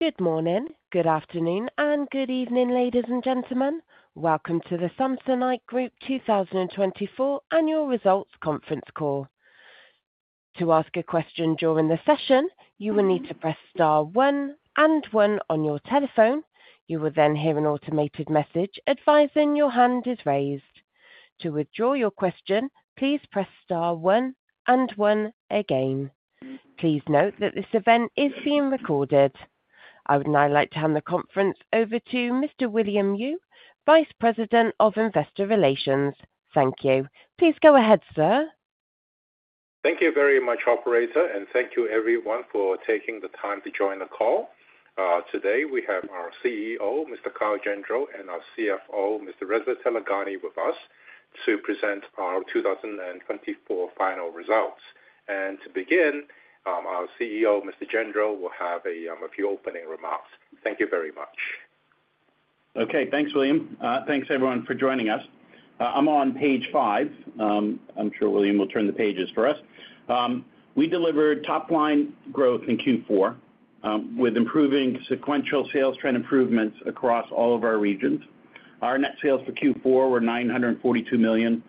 Good morning, good afternoon, and good evening, ladies and gentlemen. Welcome to the Samsonite Group 2024 annual results conference call. To ask a question during the session, you will need to press star one and one on your telephone. You will then hear an automated message advising your hand is raised. To withdraw your question, please press star one and one again. Please note that this event is being recorded. I would now like to hand the conference over to Mr. William Yu, Vice President of Investor Relations. Thank you. Please go ahead, sir. Thank you very much, Operator, and thank you everyone for taking the time to join the call. Today we have our CEO, Mr. Kyle Gendreau, and our CFO, Mr. Reza Taleghani, with us to present our 2024 final results. To begin, our CEO, Mr. Gendreau, will have a few opening remarks. Thank you very much. Okay. Thanks, William. Thanks everyone for joining us. I'm on page five. I'm sure William will turn the pages for us. We delivered top-line growth in Q4, with improving sequential sales trend improvements across all of our regions. Our net sales for Q4 were $942 million,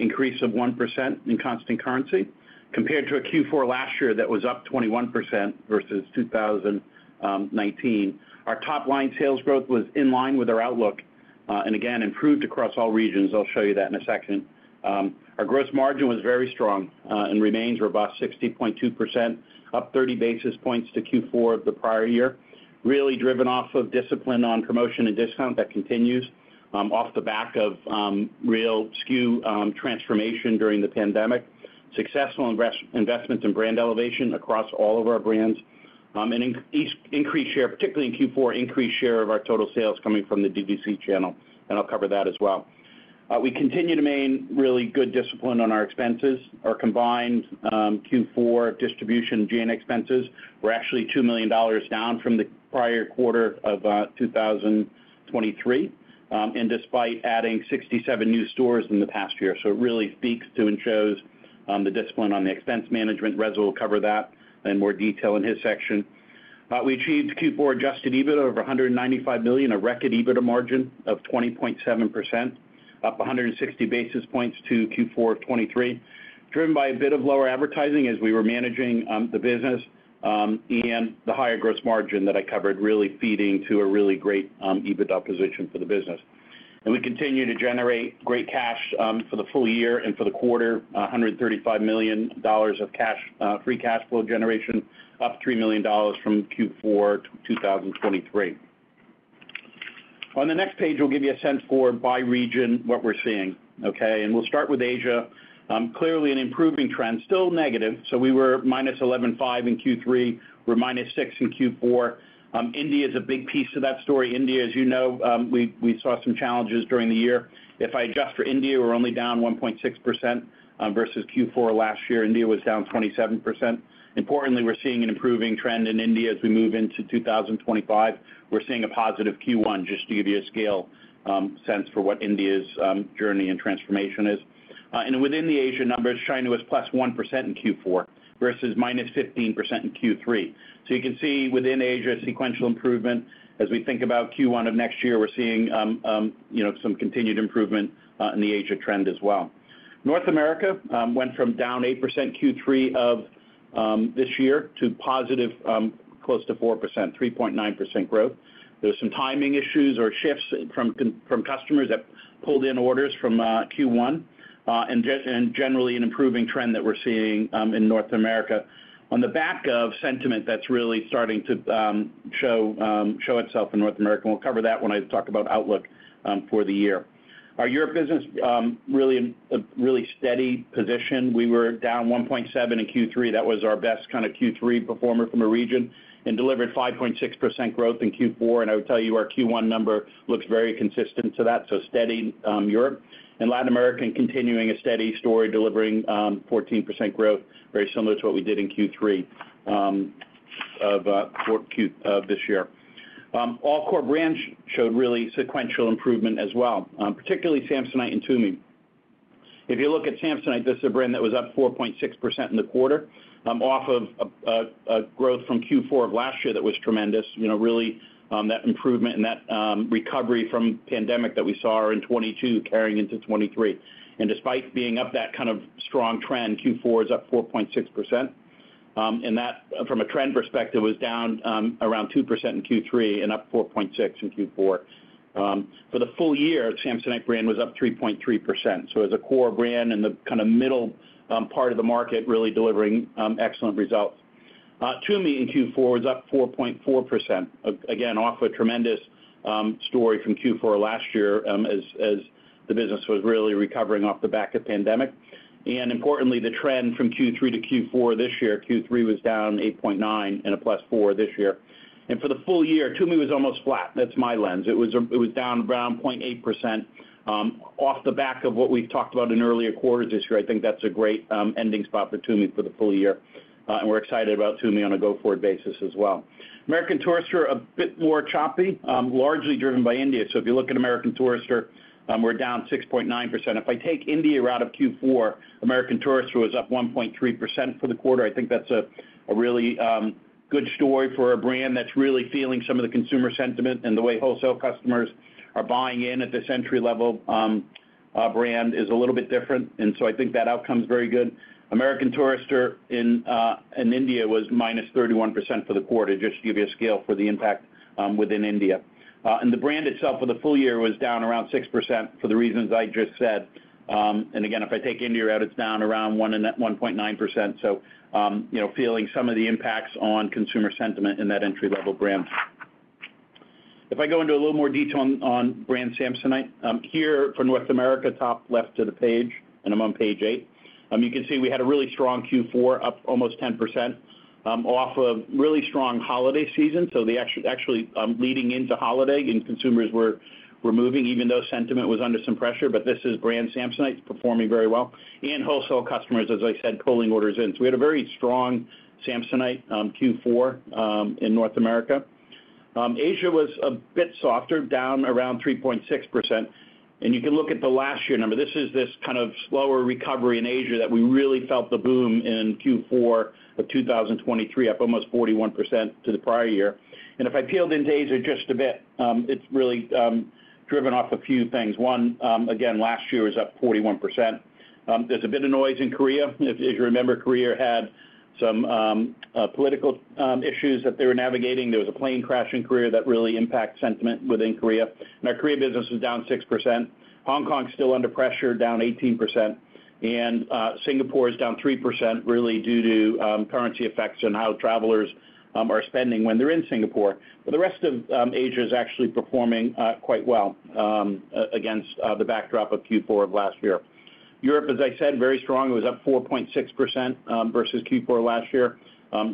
increase of 1% in constant currency compared to a Q4 last year that was up 21% versus 2019. Our top-line sales growth was in line with our outlook, and again improved across all regions. I'll show you that in a second. Our gross margin was very strong, and remains robust, 60.2%, up 30 basis points to Q4 of the prior year, really driven off of discipline on promotion and discount that continues, off the back of real SKU transformation during the pandemic, successful investments in brand elevation across all of our brands, and increased share, particularly in Q4, increased share of our total sales coming from the DTC channel. I will cover that as well. We continue to maintain really good discipline on our expenses, our combined Q4 distribution and G&A expenses were actually $2 million down from the prior quarter of 2023, and despite adding 67 new stores in the past year. It really speaks to and shows the discipline on the expense management. Reza will cover that in more detail in his section. We achieved Q4 adjusted EBITDA of $195 million, a record EBITDA margin of 20.7%, up 160 basis points to Q4 of 2023, driven by a bit of lower advertising as we were managing the business, and the higher gross margin that I covered really feeding to a really great EBITDA position for the business. We continue to generate great cash, for the full year and for the quarter, $135 million of cash, free cash flow generation, up $3 million from Q4 2023. On the next page, I'll give you a sense for by region what we're seeing. Okay. We'll start with Asia. Clearly an improving trend, still negative. We were minus 11.5% in Q3, we're minus 6% in Q4. India is a big piece of that story. India, as you know, we saw some challenges during the year. If I adjust for India, we're only down 1.6% versus Q4 last year. India was down 27%. Importantly, we're seeing an improving trend in India as we move into 2025. We're seeing a positive Q1, just to give you a scale, sense for what India's journey and transformation is. And within the Asia numbers, China was plus 1% in Q4 versus minus 15% in Q3. You can see within Asia, sequential improvement. As we think about Q1 of next year, we're seeing, you know, some continued improvement in the Asia trend as well. North America went from down 8% Q3 of this year to positive, close to 4%, 3.9% growth. There's some timing issues or shifts from customers that pulled in orders from Q1, and generally an improving trend that we're seeing in North America on the back of sentiment that's really starting to show itself in North America. We'll cover that when I talk about outlook for the year. Our Europe business is really in a really steady position. We were down 1.7% in Q3. That was our best kind of Q3 performer from a region and delivered 5.6% growth in Q4. I would tell you our Q1 number looks very consistent to that. Steady Europe and Latin America continuing a steady story, delivering 14% growth, very similar to what we did in Q3 of this year. All core brands showed really sequential improvement as well, particularly Samsonite and Tumi. If you look at Samsonite, this is a brand that was up 4.6% in the quarter, off of a growth from Q4 of last year that was tremendous. You know, really, that improvement and that recovery from pandemic that we saw in 2022 carrying into 2023. Despite being up that kind of strong trend, Q4 is up 4.6%. That, from a trend perspective, was down around 2% in Q3 and up 4.6% in Q4. For the full year, Samsonite brand was up 3.3%. As a core brand in the kind of middle part of the market, really delivering excellent results. Tumi in Q4 was up 4.4%, again, off a tremendous story from Q4 last year, as the business was really recovering off the back of pandemic. Importantly, the trend from Q3 to Q4 this year, Q3 was down 8.9% and a plus 4% this year. For the full year, Tumi was almost flat. That's my lens. It was down around 0.8%, off the back of what we've talked about in earlier quarters this year. I think that's a great ending spot for Tumi for the full year. We're excited about Tumi on a go-forward basis as well. American Tourister is a bit more choppy, largely driven by India. If you look at American Tourister, we're down 6.9%. If I take India out of Q4, American Tourister was up 1.3% for the quarter. I think that's a really good story for a brand that's really feeling some of the consumer sentiment and the way wholesale customers are buying in at this entry-level brand is a little bit different. I think that outcome's very good. American Tourister in India was minus 31% for the quarter, just to give you a scale for the impact within India. The brand itself for the full year was down around 6% for the reasons I just said. Again, if I take India out, it's down around 1-1.9%. You know, feeling some of the impacts on consumer sentiment in that entry-level brand. If I go into a little more detail on brand Samsonite, here for North America, top left of the page, and I'm on page eight, you can see we had a really strong Q4, up almost 10%, off of really strong holiday season. Actually, leading into holiday, consumers were removing, even though sentiment was under some pressure. This is brand Samsonite performing very well and wholesale customers, as I said, pulling orders in. We had a very strong Samsonite Q4 in North America. Asia was a bit softer, down around 3.6%. You can look at the last year number. This is this kind of slower recovery in Asia that we really felt the boom in Q4 of 2023, up almost 41% to the prior year. If I peeled into Asia just a bit, it's really driven off a few things. One, again, last year was up 41%. There's a bit of noise in Korea. If, as you remember, Korea had some political issues that they were navigating. There was a plane crash in Korea that really impacted sentiment within Korea. Now, Korea business was down 6%. Hong Kong's still under pressure, down 18%. Singapore is down 3%, really due to currency effects and how travelers are spending when they're in Singapore. The rest of Asia is actually performing quite well, against the backdrop of Q4 of last year. Europe, as I said, very strong. It was up 4.6% versus Q4 last year.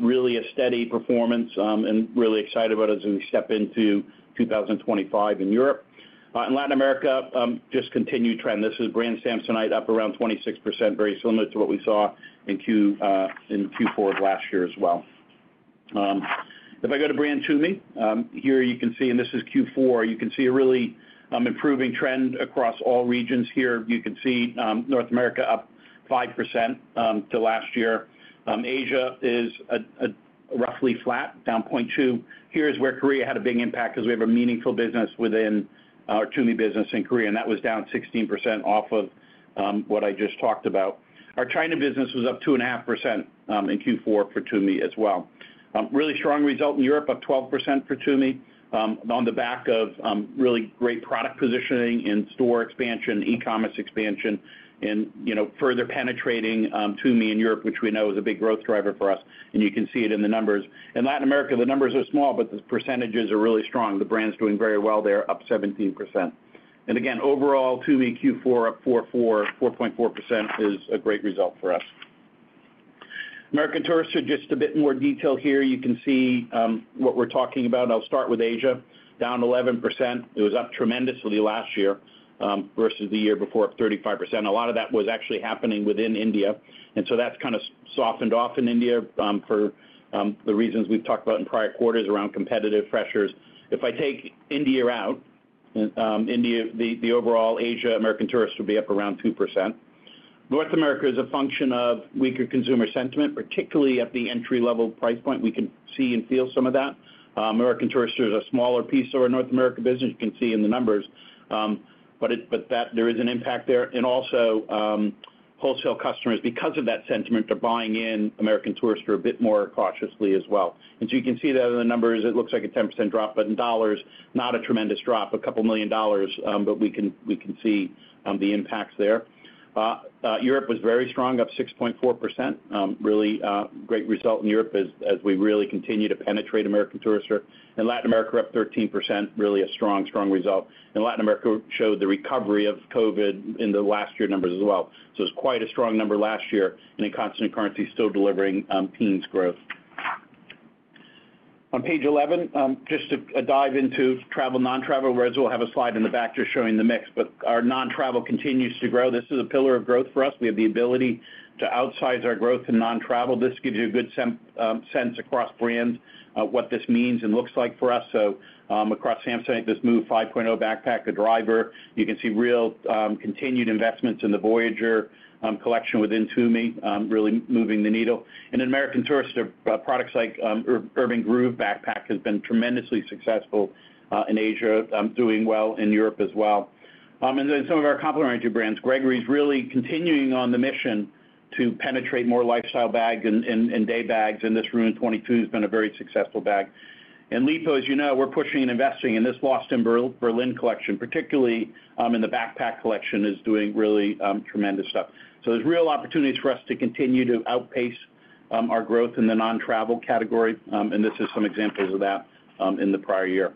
Really a steady performance, and really excited about as we step into 2025 in Europe. In Latin America, just continued trend. This is brand Samsonite, up around 26%, very similar to what we saw in Q4 of last year as well. If I go to brand Tumi, here you can see, and this is Q4, you can see a really improving trend across all regions here. You can see North America up 5% to last year. Asia is a roughly flat, down 0.2%. Here is where Korea had a big impact 'cause we have a meaningful business within, our Tumi business in Korea, and that was down 16% off of, what I just talked about. Our China business was up 2.5% in Q4 for Tumi as well. Really strong result in Europe, up 12% for Tumi, on the back of, really great product positioning and store expansion, e-commerce expansion, and, you know, further penetrating, Tumi in Europe, which we know is a big growth driver for us. You can see it in the numbers. In Latin America, the numbers are small, but the percentages are really strong. The brand's doing very well there, up 17%. Overall, Tumi Q4, up 4.4% is a great result for us. American Tourister, just a bit more detail here. You can see, what we're talking about. I'll start with Asia, down 11%. It was up tremendously last year, versus the year before, up 35%. A lot of that was actually happening within India. That has kind of softened off in India, for the reasons we've talked about in prior quarters around competitive pressures. If I take India out, the overall Asia American Tourister would be up around 2%. North America is a function of weaker consumer sentiment, particularly at the entry-level price point. We can see and feel some of that. American Tourister is a smaller piece of our North America business. You can see in the numbers, but there is an impact there. Also, wholesale customers, because of that sentiment, are buying in American Tourister a bit more cautiously as well. You can see that in the numbers. It looks like a 10% drop, but in dollars, not a tremendous drop, a couple million dollars, but we can see the impacts there. Europe was very strong, up 6.4%, really great result in Europe as we really continue to penetrate American Tourister. Latin America, up 13%, really a strong, strong result. Latin America showed the recovery of COVID in the last year numbers as well. It was quite a strong number last year, and in constant currency, still delivering, peans growth. On page 11, just a dive into travel, non-travel. Reza will have a slide in the back just showing the mix, but our non-travel continues to grow. This is a pillar of growth for us. We have the ability to outsize our growth in non-travel. This gives you a good sense across brands, what this means and looks like for us. Across Samsonite, this Move 5.0 backpack, a driver, you can see real, continued investments in the Voyager collection within Tumi, really moving the needle. In American Tourister, products like Urban Groove backpack have been tremendously successful in Asia, doing well in Europe as well. Then some of our complementary brands, Gregory's really continuing on the mission to penetrate more lifestyle bags and day bags. This Rhune 22 has been a very successful bag. Lipault, as you know, we're pushing and investing in this Boston Berlin collection, particularly in the backpack collection, is doing really tremendous stuff. There are real opportunities for us to continue to outpace our growth in the non-travel category. This is some examples of that in the prior year.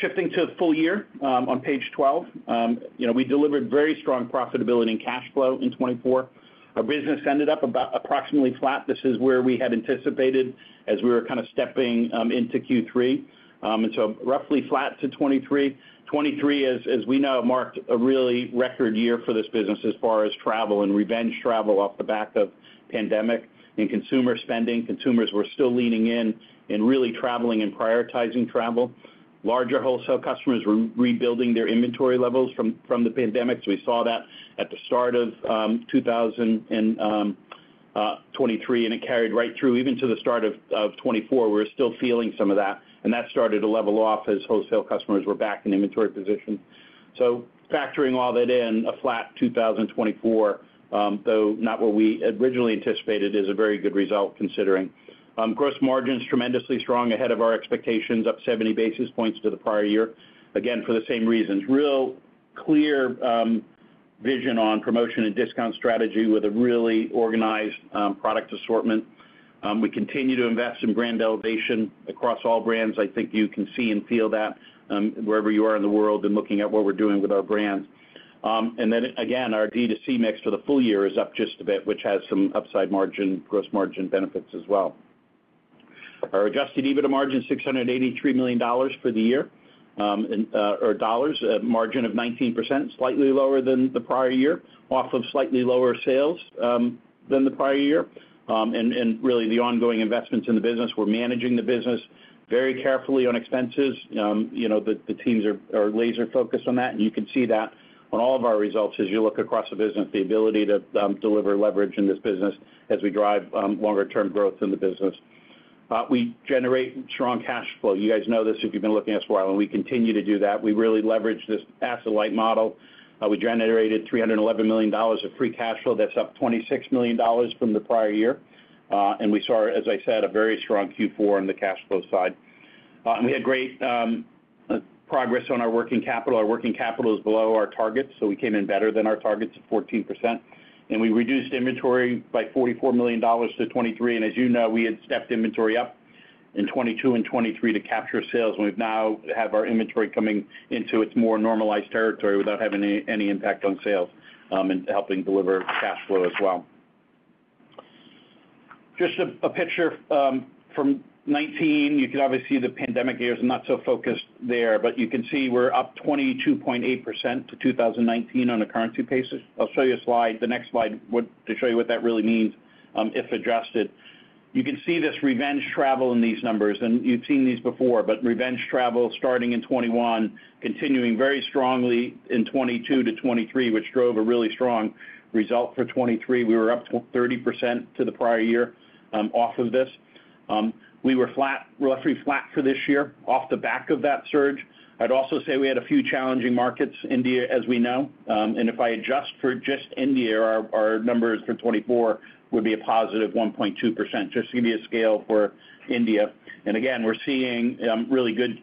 Shifting to full year, on page 12, you know, we delivered very strong profitability and cash flow in 2024. Our business ended up about approximately flat. This is where we had anticipated as we were kind of stepping into Q3. And so roughly flat to 2023. 2023, as we know, marked a really record year for this business as far as travel and revenge travel off the back of pandemic and consumer spending. Consumers were still leaning in and really traveling and prioritizing travel. Larger wholesale customers were rebuilding their inventory levels from the pandemic. We saw that at the start of 2023, and it carried right through even to the start of 2024. We were still feeling some of that, and that started to level off as wholesale customers were back in inventory position. Factoring all that in, a flat 2024, though not what we originally anticipated, is a very good result considering, gross margins tremendously strong ahead of our expectations, up 70 basis points to the prior year. Again, for the same reasons, real clear vision on promotion and discount strategy with a really organized product assortment. We continue to invest in brand elevation across all brands. I think you can see and feel that, wherever you are in the world and looking at what we're doing with our brands. Then again, our DTC mix for the full year is up just a bit, which has some upside margin, gross margin benefits as well. Our adjusted EBITDA margin is $683 million for the year, and, or dollars, a margin of 19%, slightly lower than the prior year, off of slightly lower sales than the prior year. and really the ongoing investments in the business. We're managing the business very carefully on expenses. You know, the teams are laser-focused on that. You can see that on all of our results as you look across the business, the ability to deliver leverage in this business as we drive longer-term growth in the business. We generate strong cash flow. You guys know this if you've been looking at us for a while, and we continue to do that. We really leverage this asset light model. We generated $311 million of free cash flow. That's up $26 million from the prior year. We saw, as I said, a very strong Q4 on the cash flow side. We had great progress on our working capital. Our working capital is below our targets, so we came in better than our targets of 14%. We reduced inventory by $44 million to 2023. As you know, we had stepped inventory up in 2022 and 2023 to capture sales. We now have our inventory coming into its more normalized territory without having any impact on sales, and helping deliver cash flow as well. Just a picture from 2019. You can obviously see the pandemic years. I'm not so focused there, but you can see we're up 22.8% to 2019 on a currency basis. I'll show you a slide, the next slide, to show you what that really means, if adjusted. You can see this revenge travel in these numbers, and you've seen these before, but revenge travel starting in 2021, continuing very strongly in 2022 to 2023, which drove a really strong result for 2023. We were up to 30% to the prior year, off of this. We were flat, roughly flat for this year off the back of that surge. I'd also say we had a few challenging markets, India, as we know. If I adjust for just India, our numbers for 2024 would be a positive 1.2%, just to give you a scale for India. We're seeing really good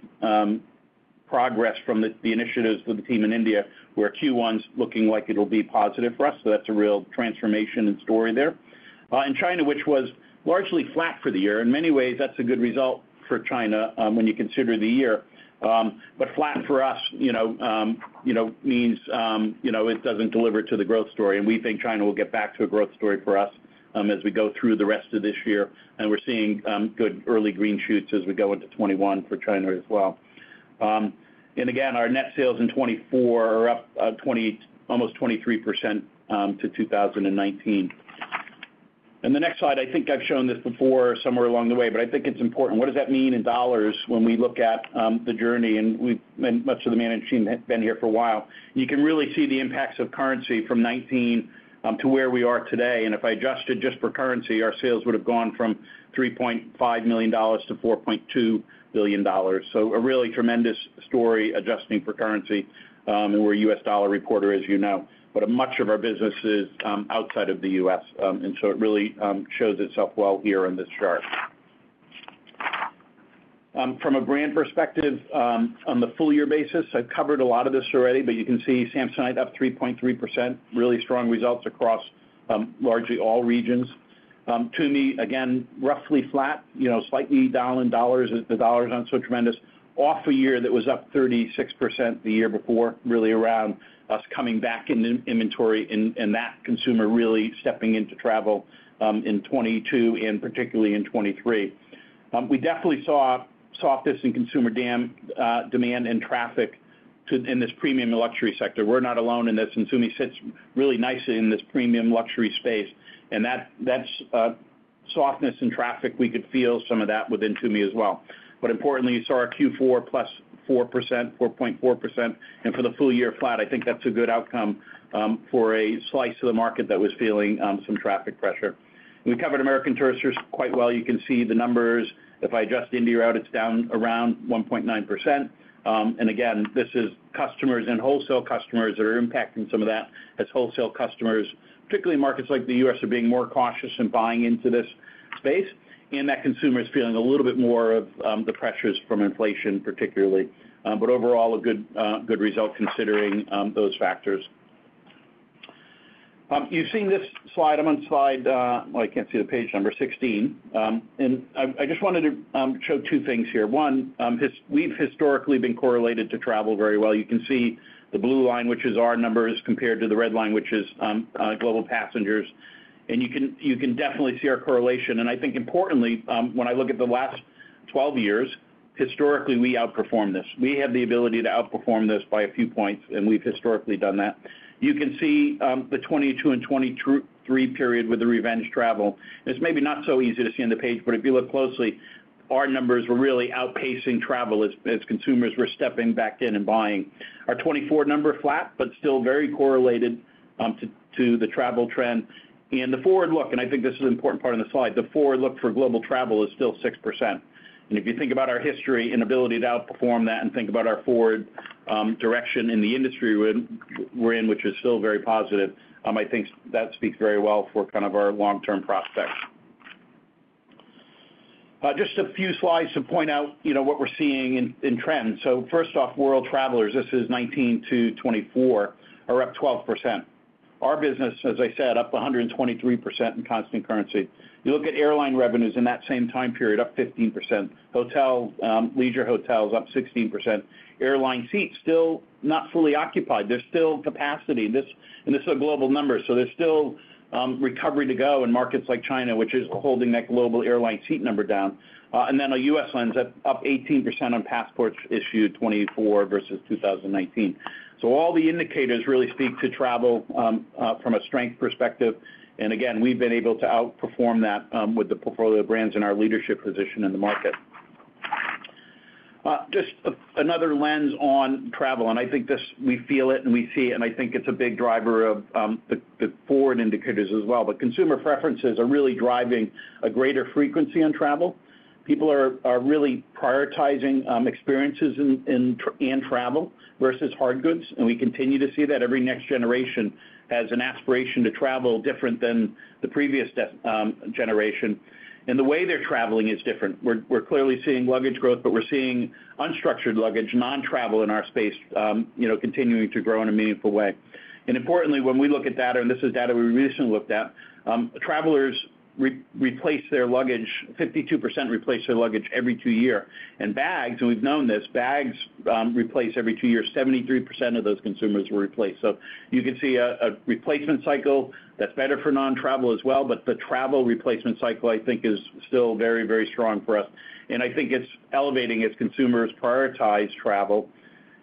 progress from the initiatives with the team in India, where Q1's looking like it'll be positive for us. That's a real transformation and story there. In China, which was largely flat for the year, in many ways, that's a good result for China when you consider the year. Flat for us, you know, means, you know, it doesn't deliver to the growth story. We think China will get back to a growth story for us as we go through the rest of this year. We're seeing good early green shoots as we go into 2021 for China as well. Again, our net sales in 2024 are up almost 23% to 2019. The next slide, I think I've shown this before somewhere along the way, but I think it's important. What does that mean in dollars when we look at the journey? Much of the management team has been here for a while. You can really see the impacts of currency from 2019 to where we are today. If I adjusted just for currency, our sales would have gone from $3.5 billion to $4.2 billion. A really tremendous story adjusting for currency. We're a US dollar reporter, as you know, but much of our business is outside of the US. It really shows itself well here on this chart. From a brand perspective, on the full year basis, I've covered a lot of this already, but you can see Samsonite up 3.3%, really strong results across, largely all regions. Tumi, again, roughly flat, you know, slightly down in dollars. The dollars aren't so tremendous. Off a year that was up 36% the year before, really around us coming back in in inventory and, and that consumer really stepping into travel, in 2022 and particularly in 2023. We definitely saw softness in consumer demand and traffic too in this premium luxury sector. We're not alone in this. And Tumi sits really nicely in this premium luxury space. That, that's, softness in traffic. We could feel some of that within Tumi as well. Importantly, you saw our Q4 plus 4%, 4.4%. For the full year, flat. I think that's a good outcome, for a slice of the market that was feeling some traffic pressure. We covered American Tourister quite well. You can see the numbers. If I adjust India out, it's down around 1.9%. Again, this is customers and wholesale customers that are impacting some of that as wholesale customers, particularly markets like the US, are being more cautious in buying into this space. That consumer's feeling a little bit more of the pressures from inflation, particularly. Overall, a good, good result considering those factors. You've seen this slide. I'm on slide, I can't see the page number, 16. I just wanted to show two things here. One, we've historically been correlated to travel very well. You can see the blue line, which is our numbers compared to the red line, which is global passengers. You can definitely see our correlation. I think importantly, when I look at the last 12 years, historically, we outperformed this. We have the ability to outperform this by a few points, and we've historically done that. You can see, the 2022 and 2023 period with the revenge travel. It's maybe not so easy to see on the page, but if you look closely, our numbers were really outpacing travel as consumers were stepping back in and buying. Our 2024 number flat, but still very correlated to the travel trend. The forward look, and I think this is an important part of the slide, the forward look for global travel is still 6%. If you think about our history and ability to outperform that and think about our forward direction in the industry we're in, which is still very positive, I think that speaks very well for kind of our long-term prospects. Just a few slides to point out, you know, what we're seeing in trends. First off, world travelers, this is 2019 to 2024, are up 12%. Our business, as I said, up 123% in constant currency. You look at airline revenues in that same time period, up 15%. Leisure hotels up 16%. Airline seats still not fully occupied. There's still capacity. This is a global number. There's still recovery to go in markets like China, which is holding that global airline seat number down. A U.S. lens, up 18% on passports issued 2024 versus 2019. All the indicators really speak to travel, from a strength perspective. Again, we've been able to outperform that, with the portfolio of brands in our leadership position in the market. Just another lens on travel. I think this, we feel it and we see it, and I think it's a big driver of the forward indicators as well. Consumer preferences are really driving a greater frequency on travel. People are really prioritizing experiences in, in, and travel versus hard goods. We continue to see that every next generation has an aspiration to travel different than the previous generation. The way they're traveling is different. We're clearly seeing luggage growth, but we're seeing unstructured luggage, non-travel in our space, you know, continuing to grow in a meaningful way. Importantly, when we look at data, and this is data we recently looked at, travelers replace their luggage, 52% replace their luggage every two years. Bags, and we've known this, bags, replace every two years, 73% of those consumers were replaced. You can see a replacement cycle that's better for non-travel as well. The travel replacement cycle, I think, is still very, very strong for us. I think it's elevating as consumers prioritize travel.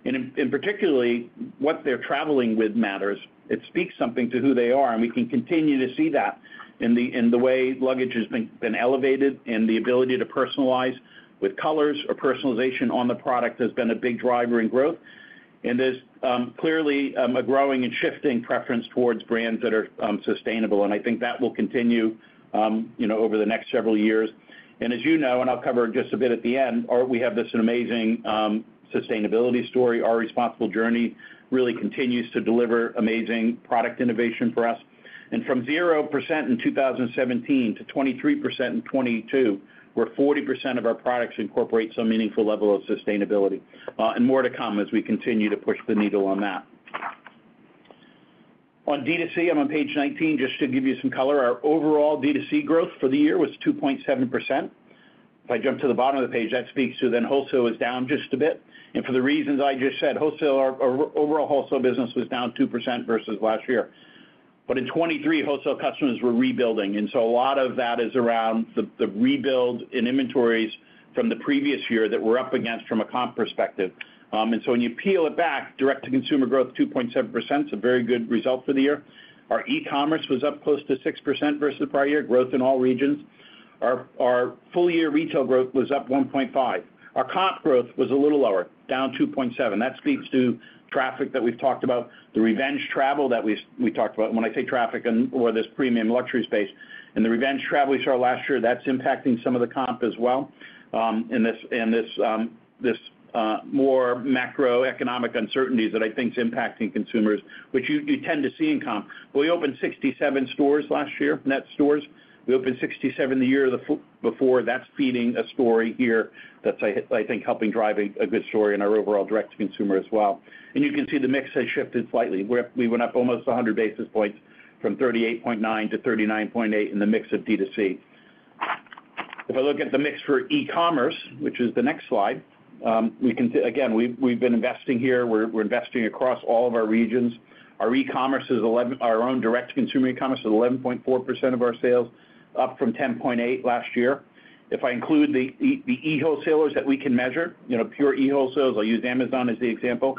In particular, what they're traveling with matters. It speaks something to who they are. We can continue to see that in the way luggage has been elevated and the ability to personalize with colors or personalization on the product has been a big driver in growth. There's clearly a growing and shifting preference towards brands that are sustainable. I think that will continue, you know, over the next several years. As you know, and I'll cover just a bit at the end, we have this amazing sustainability story. Our responsible journey really continues to deliver amazing product innovation for us. From 0% in 2017 to 23% in 2022, where 40% of our products incorporate some meaningful level of sustainability, and more to come as we continue to push the needle on that. On DTC, I'm on page 19, just to give you some color. Our overall DTC growth for the year was 2.7%. If I jump to the bottom of the page, that speaks to then wholesale was down just a bit. For the reasons I just said, wholesale, our overall wholesale business was down 2% versus last year. In 2023, wholesale customers were rebuilding. A lot of that is around the rebuild in inventories from the previous year that we're up against from a comp perspective. When you peel it back, direct-to-consumer growth, 2.7%, it's a very good result for the year. Our e-commerce was up close to 6% versus the prior year, growth in all regions. Our full-year retail growth was up 1.5%. Our comp growth was a little lower, down 2.7%. That speaks to traffic that we've talked about, the revenge travel that we talked about. When I say traffic and where this premium luxury space and the revenge travel we saw last year, that's impacting some of the comp as well. This, more macroeconomic uncertainties that I think is impacting consumers, which you tend to see in comp. We opened 67 stores last year, net stores. We opened 67 the year before. That's feeding a story here that's, I think, helping drive a good story in our overall direct-to-consumer as well. You can see the mix has shifted slightly. We went up almost 100 basis points from 38.9% to 39.8% in the mix of DTC. If I look at the mix for e-commerce, which is the next slide, we can see again, we've been investing here. We're investing across all of our regions. Our e-commerce is 11.4% of our sales, up from 10.8% last year. If I include the e-wholesalers that we can measure, you know, pure e-wholesalers, I'll use Amazon as the example.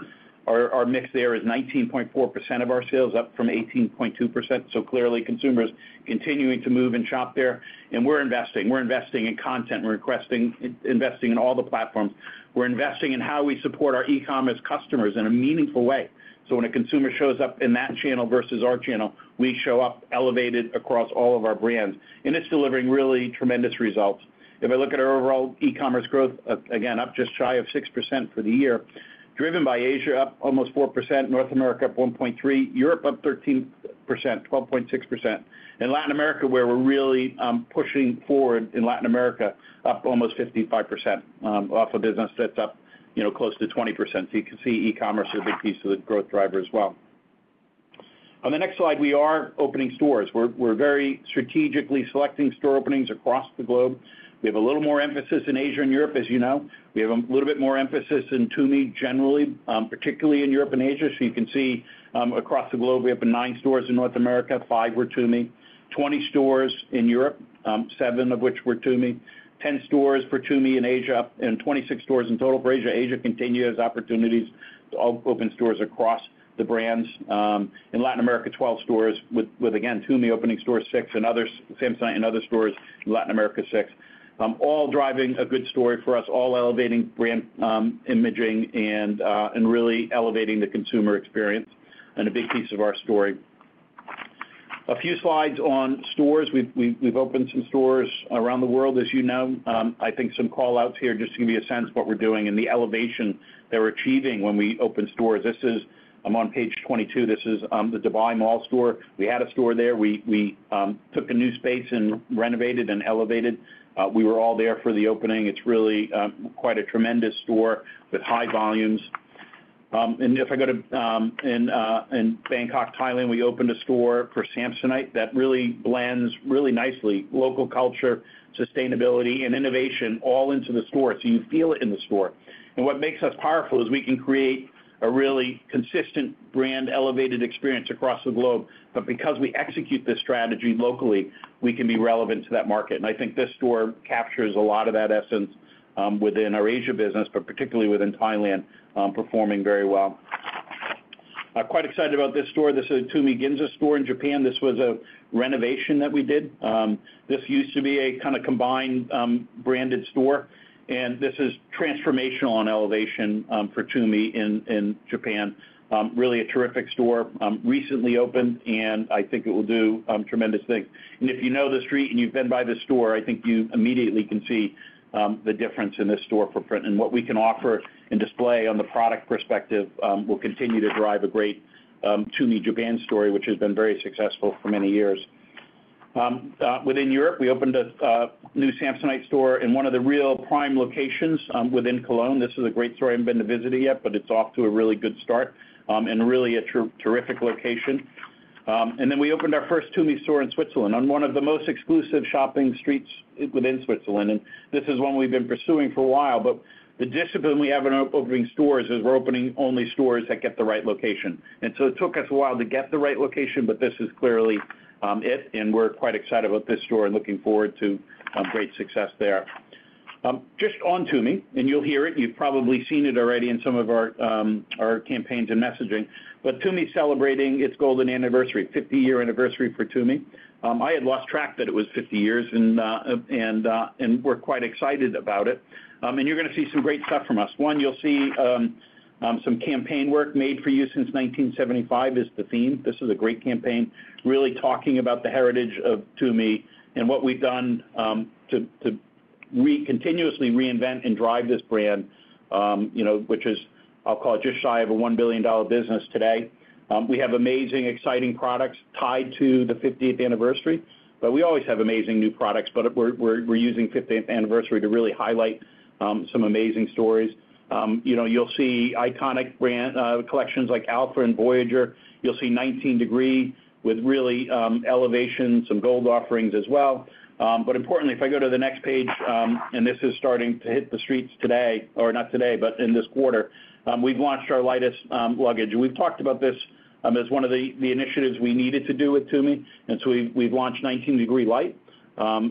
Our mix there is 19.4% of our sales, up from 18.2%. Clearly, consumers continuing to move and shop there. We're investing. We're investing in content. We're requesting, investing in all the platforms. We're investing in how we support our e-commerce customers in a meaningful way. So when a consumer shows up in that channel versus our channel, we show up elevated across all of our brands. It's delivering really tremendous results. If I look at our overall e-commerce growth, again, up just shy of 6% for the year, driven by Asia, up almost 4%, North America up 1.3%, Europe up 13%, 12.6%. Latin America, where we're really pushing forward in Latin America, up almost 55%, off of business that's up, you know, close to 20%. You can see e-commerce is a big piece of the growth driver as well. On the next slide, we are opening stores. We're very strategically selecting store openings across the globe. We have a little more emphasis in Asia and Europe, as you know. We have a little bit more emphasis in Tumi generally, particularly in Europe and Asia. You can see, across the globe, we have nine stores in North America, five were Tumi, 20 stores in Europe, seven of which were Tumi, 10 stores for Tumi in Asia, and 26 stores in total for Asia. Asia continues opportunities, all open stores across the brands. In Latin America, 12 stores with, with again, Tumi opening stores six and other Samsonite and other stores in Latin America, six. All driving a good story for us, all elevating brand, imaging and, and really elevating the consumer experience and a big piece of our story. A few slides on stores. We've opened some stores around the world, as you know. I think some callouts here just to give you a sense of what we're doing and the elevation that we're achieving when we open stores. This is, I'm on page 22. This is the Dubai Mall store. We had a store there. We took a new space and renovated and elevated. We were all there for the opening. It's really quite a tremendous store with high volumes. If I go to, in Bangkok, Thailand, we opened a store for Samsonite that really blends really nicely local culture, sustainability, and innovation all into the store. You feel it in the store. What makes us powerful is we can create a really consistent brand elevated experience across the globe. Because we execute this strategy locally, we can be relevant to that market. I think this store captures a lot of that essence within our Asia business, but particularly within Thailand, performing very well. Quite excited about this store. This is a Tumi Ginza store in Japan. This was a renovation that we did. This used to be a kind of combined, branded store. This is transformational on elevation for Tumi in Japan. Really a terrific store, recently opened, and I think it will do tremendous things. If you know the street and you've been by this store, I think you immediately can see the difference in this store footprint and what we can offer and display on the product perspective. We'll continue to drive a great Tumi Japan story, which has been very successful for many years. Within Europe, we opened a new Samsonite store in one of the real prime locations within Cologne. This is a great story. I haven't been to visit it yet, but it's off to a really good start, and really a terrific location. Then we opened our first Tumi store in Switzerland on one of the most exclusive shopping streets within Switzerland. This is one we've been pursuing for a while. The discipline we have in opening stores is we're opening only stores that get the right location. It took us a while to get the right location, but this is clearly it. We're quite excited about this store and looking forward to great success there. Just on Tumi, and you'll hear it. You've probably seen it already in some of our campaigns and messaging. Tumi's celebrating its golden anniversary, 50-year anniversary for Tumi. I had lost track that it was 50 years and we're quite excited about it. You're going to see some great stuff from us. One, you'll see some campaign work. Made for you since 1975 is the theme. This is a great campaign, really talking about the heritage of Tumi and what we've done to continuously reinvent and drive this brand, you know, which is, I'll call it just shy of a $1 billion business today. We have amazing, exciting products tied to the 50th anniversary, but we always have amazing new products. We're using 50th anniversary to really highlight some amazing stories. You know, you'll see iconic brand collections like Alfa and Voyager. You'll see 19 Degree with really, elevation, some gold offerings as well. Importantly, if I go to the next page, and this is starting to hit the streets today, or not today, but in this quarter, we've launched our lightest luggage. We've talked about this as one of the initiatives we needed to do with Tumi. We've launched 19 Degree Light,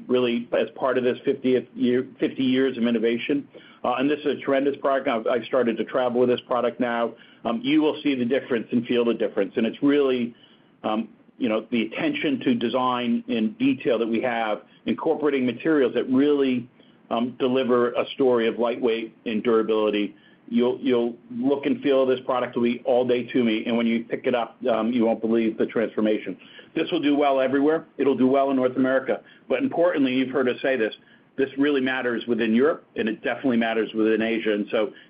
really as part of this 50th year, 50 years of innovation. This is a tremendous product. I've started to travel with this product now. You will see the difference and feel the difference. It's really the attention to design and detail that we have, incorporating materials that really deliver a story of lightweight and durability. You'll look and feel this product will be all day Tumi. When you pick it up, you won't believe the transformation. This will do well everywhere. It'll do well in North America. Importantly, you've heard us say this, this really matters within Europe, and it definitely matters within Asia.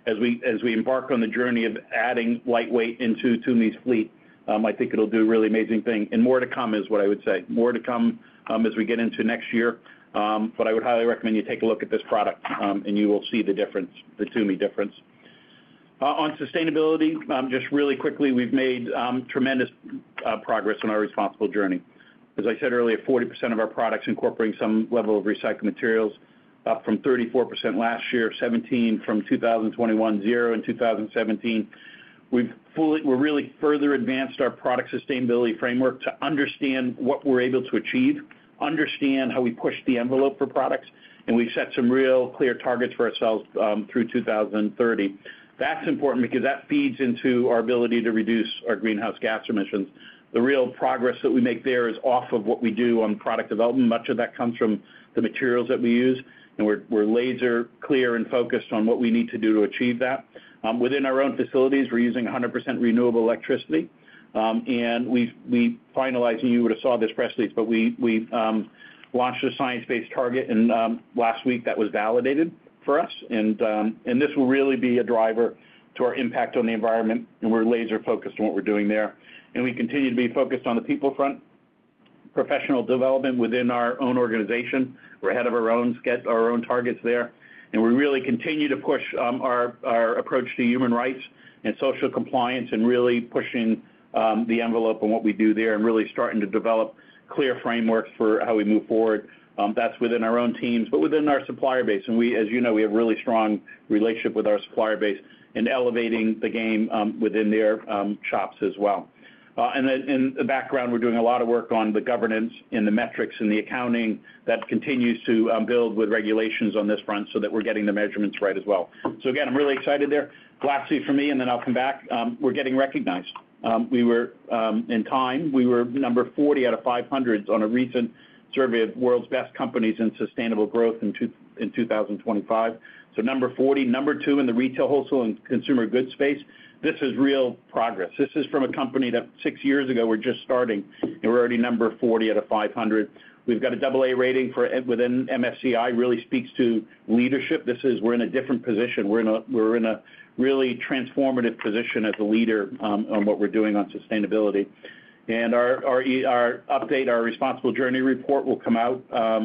As we embark on the journey of adding lightweight into Tumi's fleet, I think it'll do a really amazing thing. More to come is what I would say, more to come, as we get into next year. I would highly recommend you take a look at this product, and you will see the difference, the Tumi difference. On sustainability, just really quickly, we've made tremendous progress on our responsible journey. As I said earlier, 40% of our products incorporating some level of recycled materials, up from 34% last year, 17% from 2021, zero in 2017. We've fully, we're really further advanced our product sustainability framework to understand what we're able to achieve, understand how we push the envelope for products. We have set some real clear targets for ourselves, through 2030. That is important because that feeds into our ability to reduce our greenhouse gas emissions. The real progress that we make there is off of what we do on product development. Much of that comes from the materials that we use. We are laser clear and focused on what we need to do to achieve that. Within our own facilities, we are using 100% renewable electricity. We finalized, and you would have seen this press release, but we launched a science-based target. Last week that was validated for us. This will really be a driver to our impact on the environment. We are laser focused on what we are doing there. We continue to be focused on the people front, professional development within our own organization. We're ahead of our own schedule, our own targets there. We really continue to push our approach to human rights and social compliance and really pushing the envelope on what we do there and really starting to develop clear frameworks for how we move forward. That's within our own teams, but within our supplier base. As you know, we have a really strong relationship with our supplier base and elevating the game within their shops as well. In the background, we're doing a lot of work on the governance and the metrics and the accounting that continues to build with regulations on this front so that we're getting the measurements right as well. Again, I'm really excited there. Glad to see from me, and then I'll come back. We're getting recognized. We were, in time. We were number 40 out of 500 on a recent survey of world's best companies in sustainable growth in 2025. Number 40, number two in the retail, wholesale, and consumer goods space. This is real progress. This is from a company that six years ago were just starting, and we're already number 40 out of 500. We've got a double A rating for within MSCI, really speaks to leadership. We're in a different position. We're in a really transformative position as a leader, on what we're doing on sustainability. Our update, our responsible journey report will come out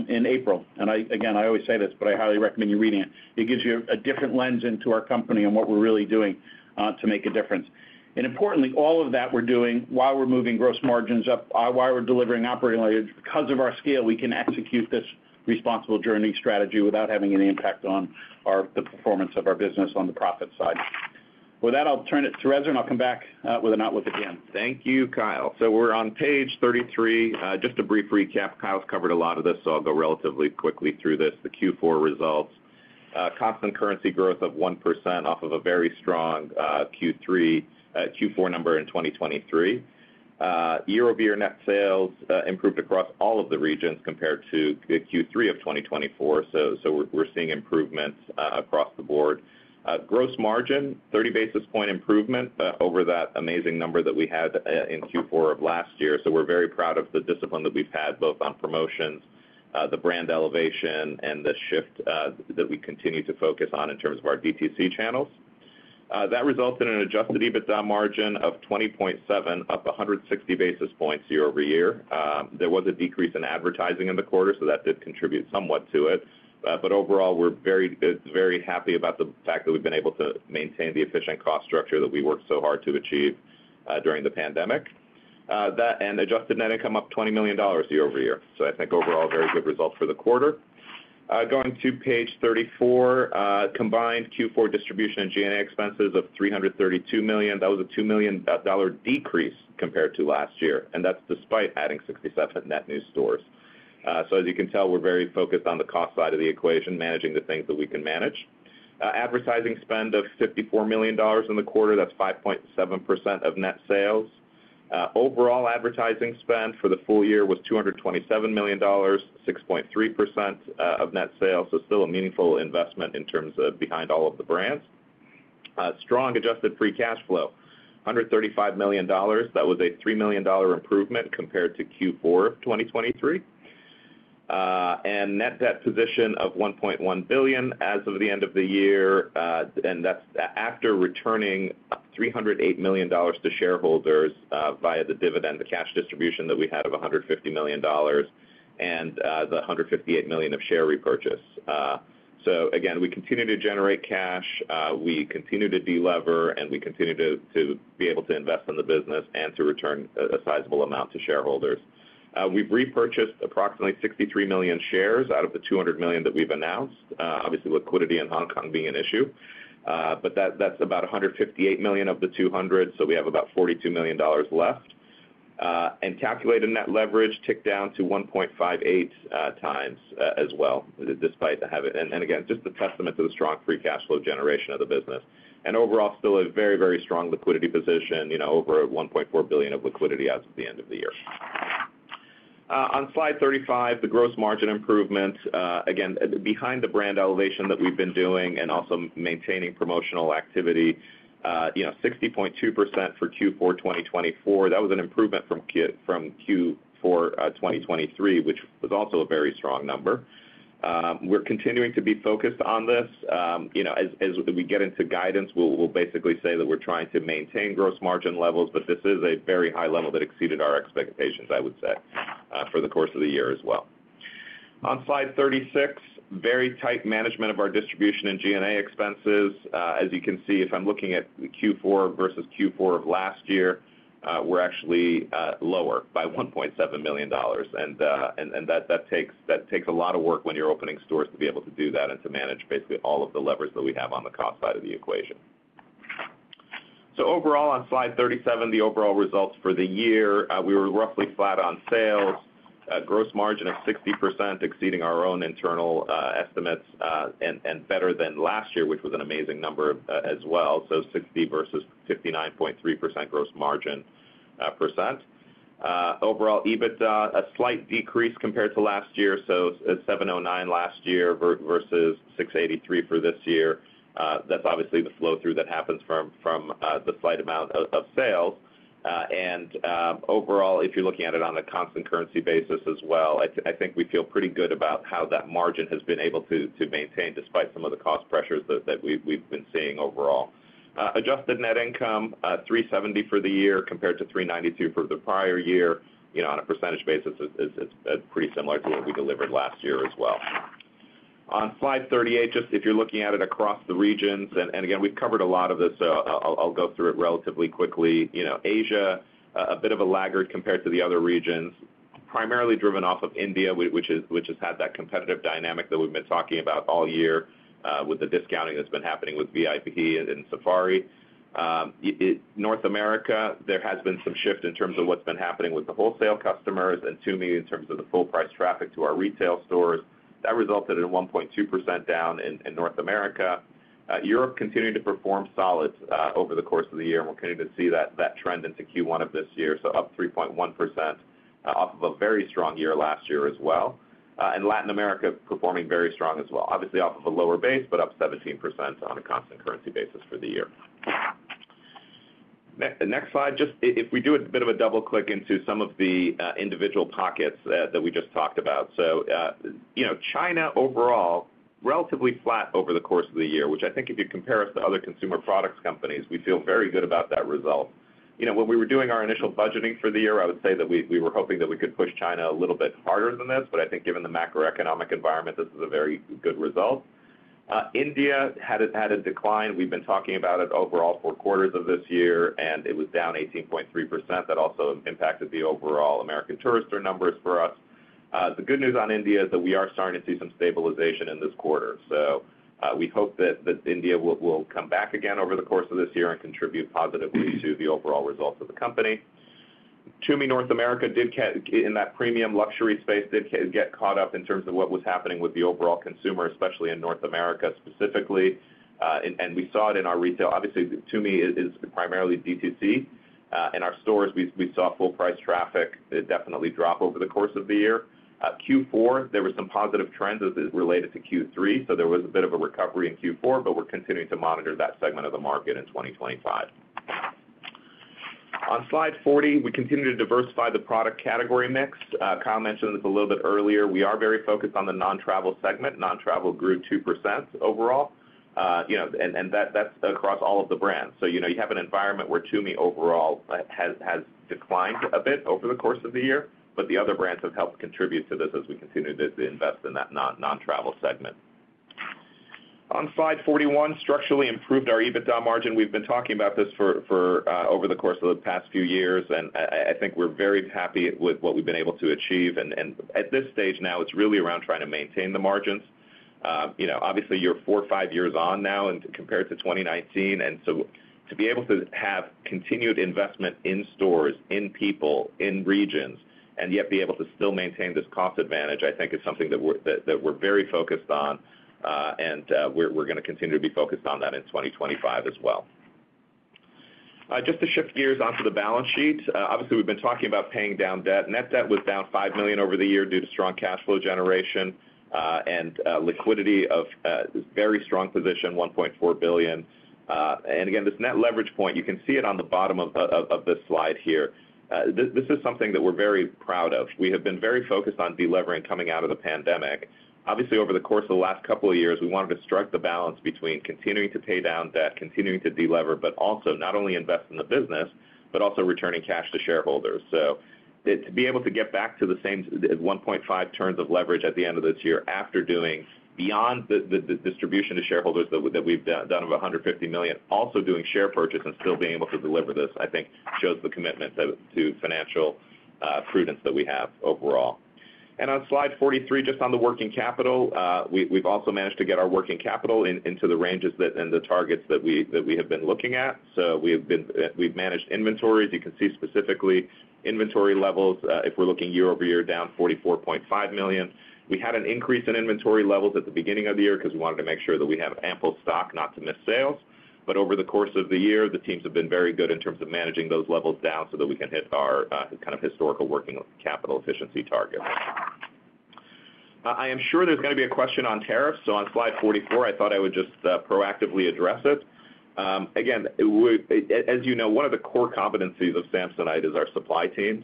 in April. I always say this, but I highly recommend you reading it. It gives you a different lens into our company and what we're really doing to make a difference. Importantly, all of that we're doing while we're moving gross margins up, while we're delivering operating lineage, because of our scale, we can execute this responsible journey strategy without having any impact on the performance of our business on the profit side. With that, I'll turn it to Reza, and I'll come back with an outlook at the end. Thank you, Kyle. We're on page 33. Just a brief recap. Kyle's covered a lot of this, so I'll go relatively quickly through this. The Q4 results, constant currency growth of 1% off of a very strong Q3, Q4 number in 2023. Year-over-year net sales improved across all of the regions compared to Q3 of 2024. We're seeing improvements across the board. Gross margin, 30 basis point improvement over that amazing number that we had in Q4 of last year. We're very proud of the discipline that we've had, both on promotions, the brand elevation, and the shift that we continue to focus on in terms of our DTC channels. That resulted in an adjusted EBITDA margin of 20.7, up 160 basis points year over year. There was a decrease in advertising in the quarter, so that did contribute somewhat to it. but overall, we're very, very happy about the fact that we've been able to maintain the efficient cost structure that we worked so hard to achieve during the pandemic. that and adjusted net income up $20 million year over year. I think overall, very good result for the quarter. going to page 34, combined Q4 distribution and G&A expenses of $332 million. That was a $2 million decrease compared to last year. that's despite adding 67 net new stores. as you can tell, we're very focused on the cost side of the equation, managing the things that we can manage. advertising spend of $54 million in the quarter, that's 5.7% of net sales. overall advertising spend for the full year was $227 million, 6.3% of net sales. still a meaningful investment in terms of behind all of the brands. strong adjusted free cash flow, $135 million. That was a $3 million improvement compared to Q4 of 2023. Net debt position of $1.1 billion as of the end of the year. That's after returning $308 million to shareholders, via the dividend, the cash distribution that we had of $150 million and the $158 million of share repurchase. We continue to generate cash. We continue to delever, and we continue to be able to invest in the business and to return a sizable amount to shareholders. We've repurchased approximately 63 million shares out of the 200 million that we've announced. Obviously, liquidity in Hong Kong being an issue. That's about $158 million of the 200. We have about $42 million left. Calculated net leverage ticked down to 1.58 times as well, despite having it. Again, just a testament to the strong free cash flow generation of the business. Overall, still a very, very strong liquidity position, you know, over $1.4 billion of liquidity as of the end of the year. On slide 35, the gross margin improvement, again, behind the brand elevation that we've been doing and also maintaining promotional activity, you know, 60.2% for Q4 2024. That was an improvement from Q4 2023, which was also a very strong number. We're continuing to be focused on this. You know, as we get into guidance, we'll basically say that we're trying to maintain gross margin levels, but this is a very high level that exceeded our expectations, I would say, for the course of the year as well. On slide 36, very tight management of our distribution and G&A expenses. As you can see, if I'm looking at Q4 versus Q4 of last year, we're actually lower by $1.7 million. That takes a lot of work when you're opening stores to be able to do that and to manage basically all of the levers that we have on the cost side of the equation. Overall, on slide 37, the overall results for the year, we were roughly flat on sales, gross margin of 60%, exceeding our own internal estimates, and better than last year, which was an amazing number as well. So 60% versus 59.3% gross margin. Overall EBITDA, a slight decrease compared to last year. It's $709 million last year versus $683 million for this year. That's obviously the flow through that happens from the slight amount of sales. And, overall, if you're looking at it on a constant currency basis as well, I think we feel pretty good about how that margin has been able to maintain despite some of the cost pressures that we've been seeing overall. Adjusted net income, $370 million for the year compared to $392 million for the prior year. You know, on a percentage basis, it's pretty similar to what we delivered last year as well. On slide 38, just if you're looking at it across the regions, and again, we've covered a lot of this, so I'll go through it relatively quickly. You know, Asia, a bit of a laggard compared to the other regions, primarily driven off of India, which has had that competitive dynamic that we've been talking about all year, with the discounting that's been happening with VIP and Safari. In North America, there has been some shift in terms of what's been happening with the wholesale customers and Tumi in terms of the full price traffic to our retail stores. That resulted in 1.2% down in North America. Europe continuing to perform solid, over the course of the year, and we're continuing to see that trend into Q1 of this year. Up 3.1%, off of a very strong year last year as well. Latin America performing very strong as well, obviously off of a lower base, but up 17% on a constant currency basis for the year. Next slide, just if we do a bit of a double click into some of the individual pockets that we just talked about. You know, China overall, relatively flat over the course of the year, which I think if you compare us to other consumer products companies, we feel very good about that result. You know, when we were doing our initial budgeting for the year, I would say that we were hoping that we could push China a little bit harder than this, but I think given the macroeconomic environment, this is a very good result. India had a decline. We've been talking about it over all four quarters of this year, and it was down 18.3%. That also impacted the overall American Tourister numbers for us. The good news on India is that we are starting to see some stabilization in this quarter. We hope that India will come back again over the course of this year and contribute positively to the overall results of the company. Tumi, North America did catch in that premium luxury space, did get caught up in terms of what was happening with the overall consumer, especially in North America specifically. We saw it in our retail. Obviously, Tumi is primarily DTC. In our stores, we saw full price traffic definitely drop over the course of the year. Q4, there were some positive trends as it related to Q3. There was a bit of a recovery in Q4, but we're continuing to monitor that segment of the market in 2025. On slide 40, we continue to diversify the product category mix. Kyle mentioned this a little bit earlier. We are very focused on the non-travel segment. Non-travel grew 2% overall. You know, and that, that's across all of the brands. So, you know, you have an environment where Tumi overall has declined a bit over the course of the year, but the other brands have helped contribute to this as we continue to invest in that non, non-travel segment. On slide 41, structurally improved our EBITDA margin. We've been talking about this for, for, over the course of the past few years, and I think we're very happy with what we've been able to achieve. And at this stage now, it's really around trying to maintain the margins. You know, obviously you're four, five years on now and compared to 2019. To be able to have continued investment in stores, in people, in regions, and yet be able to still maintain this cost advantage, I think is something that we're very focused on. We're going to continue to be focused on that in 2025 as well. Just to shift gears onto the balance sheet, obviously we've been talking about paying down debt. Net debt was down $5 million over the year due to strong cash flow generation. Liquidity of very strong position, $1.4 billion. Again, this net leverage point, you can see it on the bottom of this slide here. This is something that we're very proud of. We have been very focused on delevering coming out of the pandemic. Obviously, over the course of the last couple of years, we wanted to strike the balance between continuing to pay down debt, continuing to delever, but also not only invest in the business, but also returning cash to shareholders. To be able to get back to the same 1.5 turns of leverage at the end of this year after doing the distribution to shareholders that we've done of $150 million, also doing share purchase and still being able to deliver this, I think shows the commitment to financial prudence that we have overall. On slide 43, just on the working capital, we've also managed to get our working capital into the ranges and the targets that we have been looking at. We've managed inventories. You can see specifically inventory levels, if we're looking year over year, down $44.5 million. We had an increase in inventory levels at the beginning of the year because we wanted to make sure that we have ample stock not to miss sales. Over the course of the year, the teams have been very good in terms of managing those levels down so that we can hit our, kind of historical working capital efficiency target. I am sure there's going to be a question on tariffs. On slide 44, I thought I would just proactively address it. Again, as you know, one of the core competencies of Samsonite is our supply teams.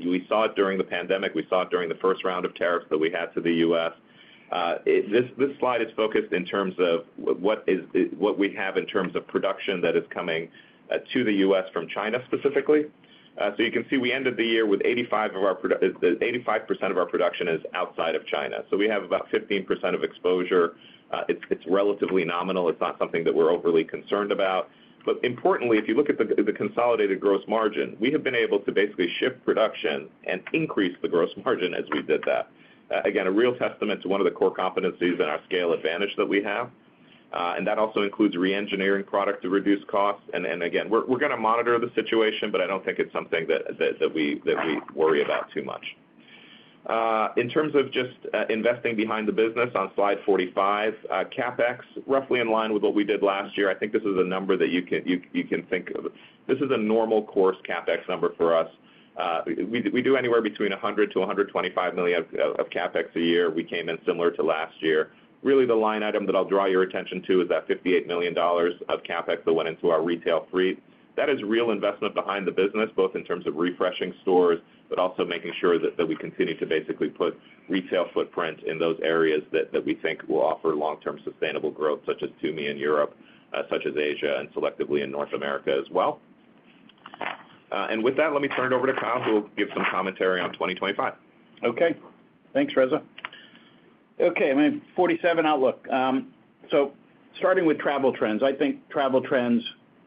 We saw it during the pandemic. We saw it during the first round of tariffs that we had to the US. This slide is focused in terms of what is, what we have in terms of production that is coming to the US from China specifically. You can see we ended the year with 85% of our production outside of China. We have about 15% of exposure. It's relatively nominal. It's not something that we're overly concerned about. Importantly, if you look at the consolidated gross margin, we have been able to basically shift production and increase the gross margin as we did that. Again, a real testament to one of the core competencies and our scale advantage that we have. That also includes re-engineering product to reduce costs. Again, we're going to monitor the situation, but I don't think it's something that we worry about too much. In terms of just investing behind the business, on slide 45, CapEx, roughly in line with what we did last year. I think this is a number that you can think of. This is a normal course CapEx number for us. We do anywhere between $100 million-$125 million of CapEx a year. We came in similar to last year. Really, the line item that I'll draw your attention to is that $58 million of CapEx that went into our retail fleet. That is real investment behind the business, both in terms of refreshing stores, but also making sure that we continue to basically put retail footprint in those areas that we think will offer long-term sustainable growth, such as Tumi in Europe, such as Asia, and selectively in North America as well. And with that, let me turn it over to Kyle, who will give some commentary on 2025. Okay. Thanks, Reza. Okay. I mean, 47 outlook. Starting with travel trends, I think travel trends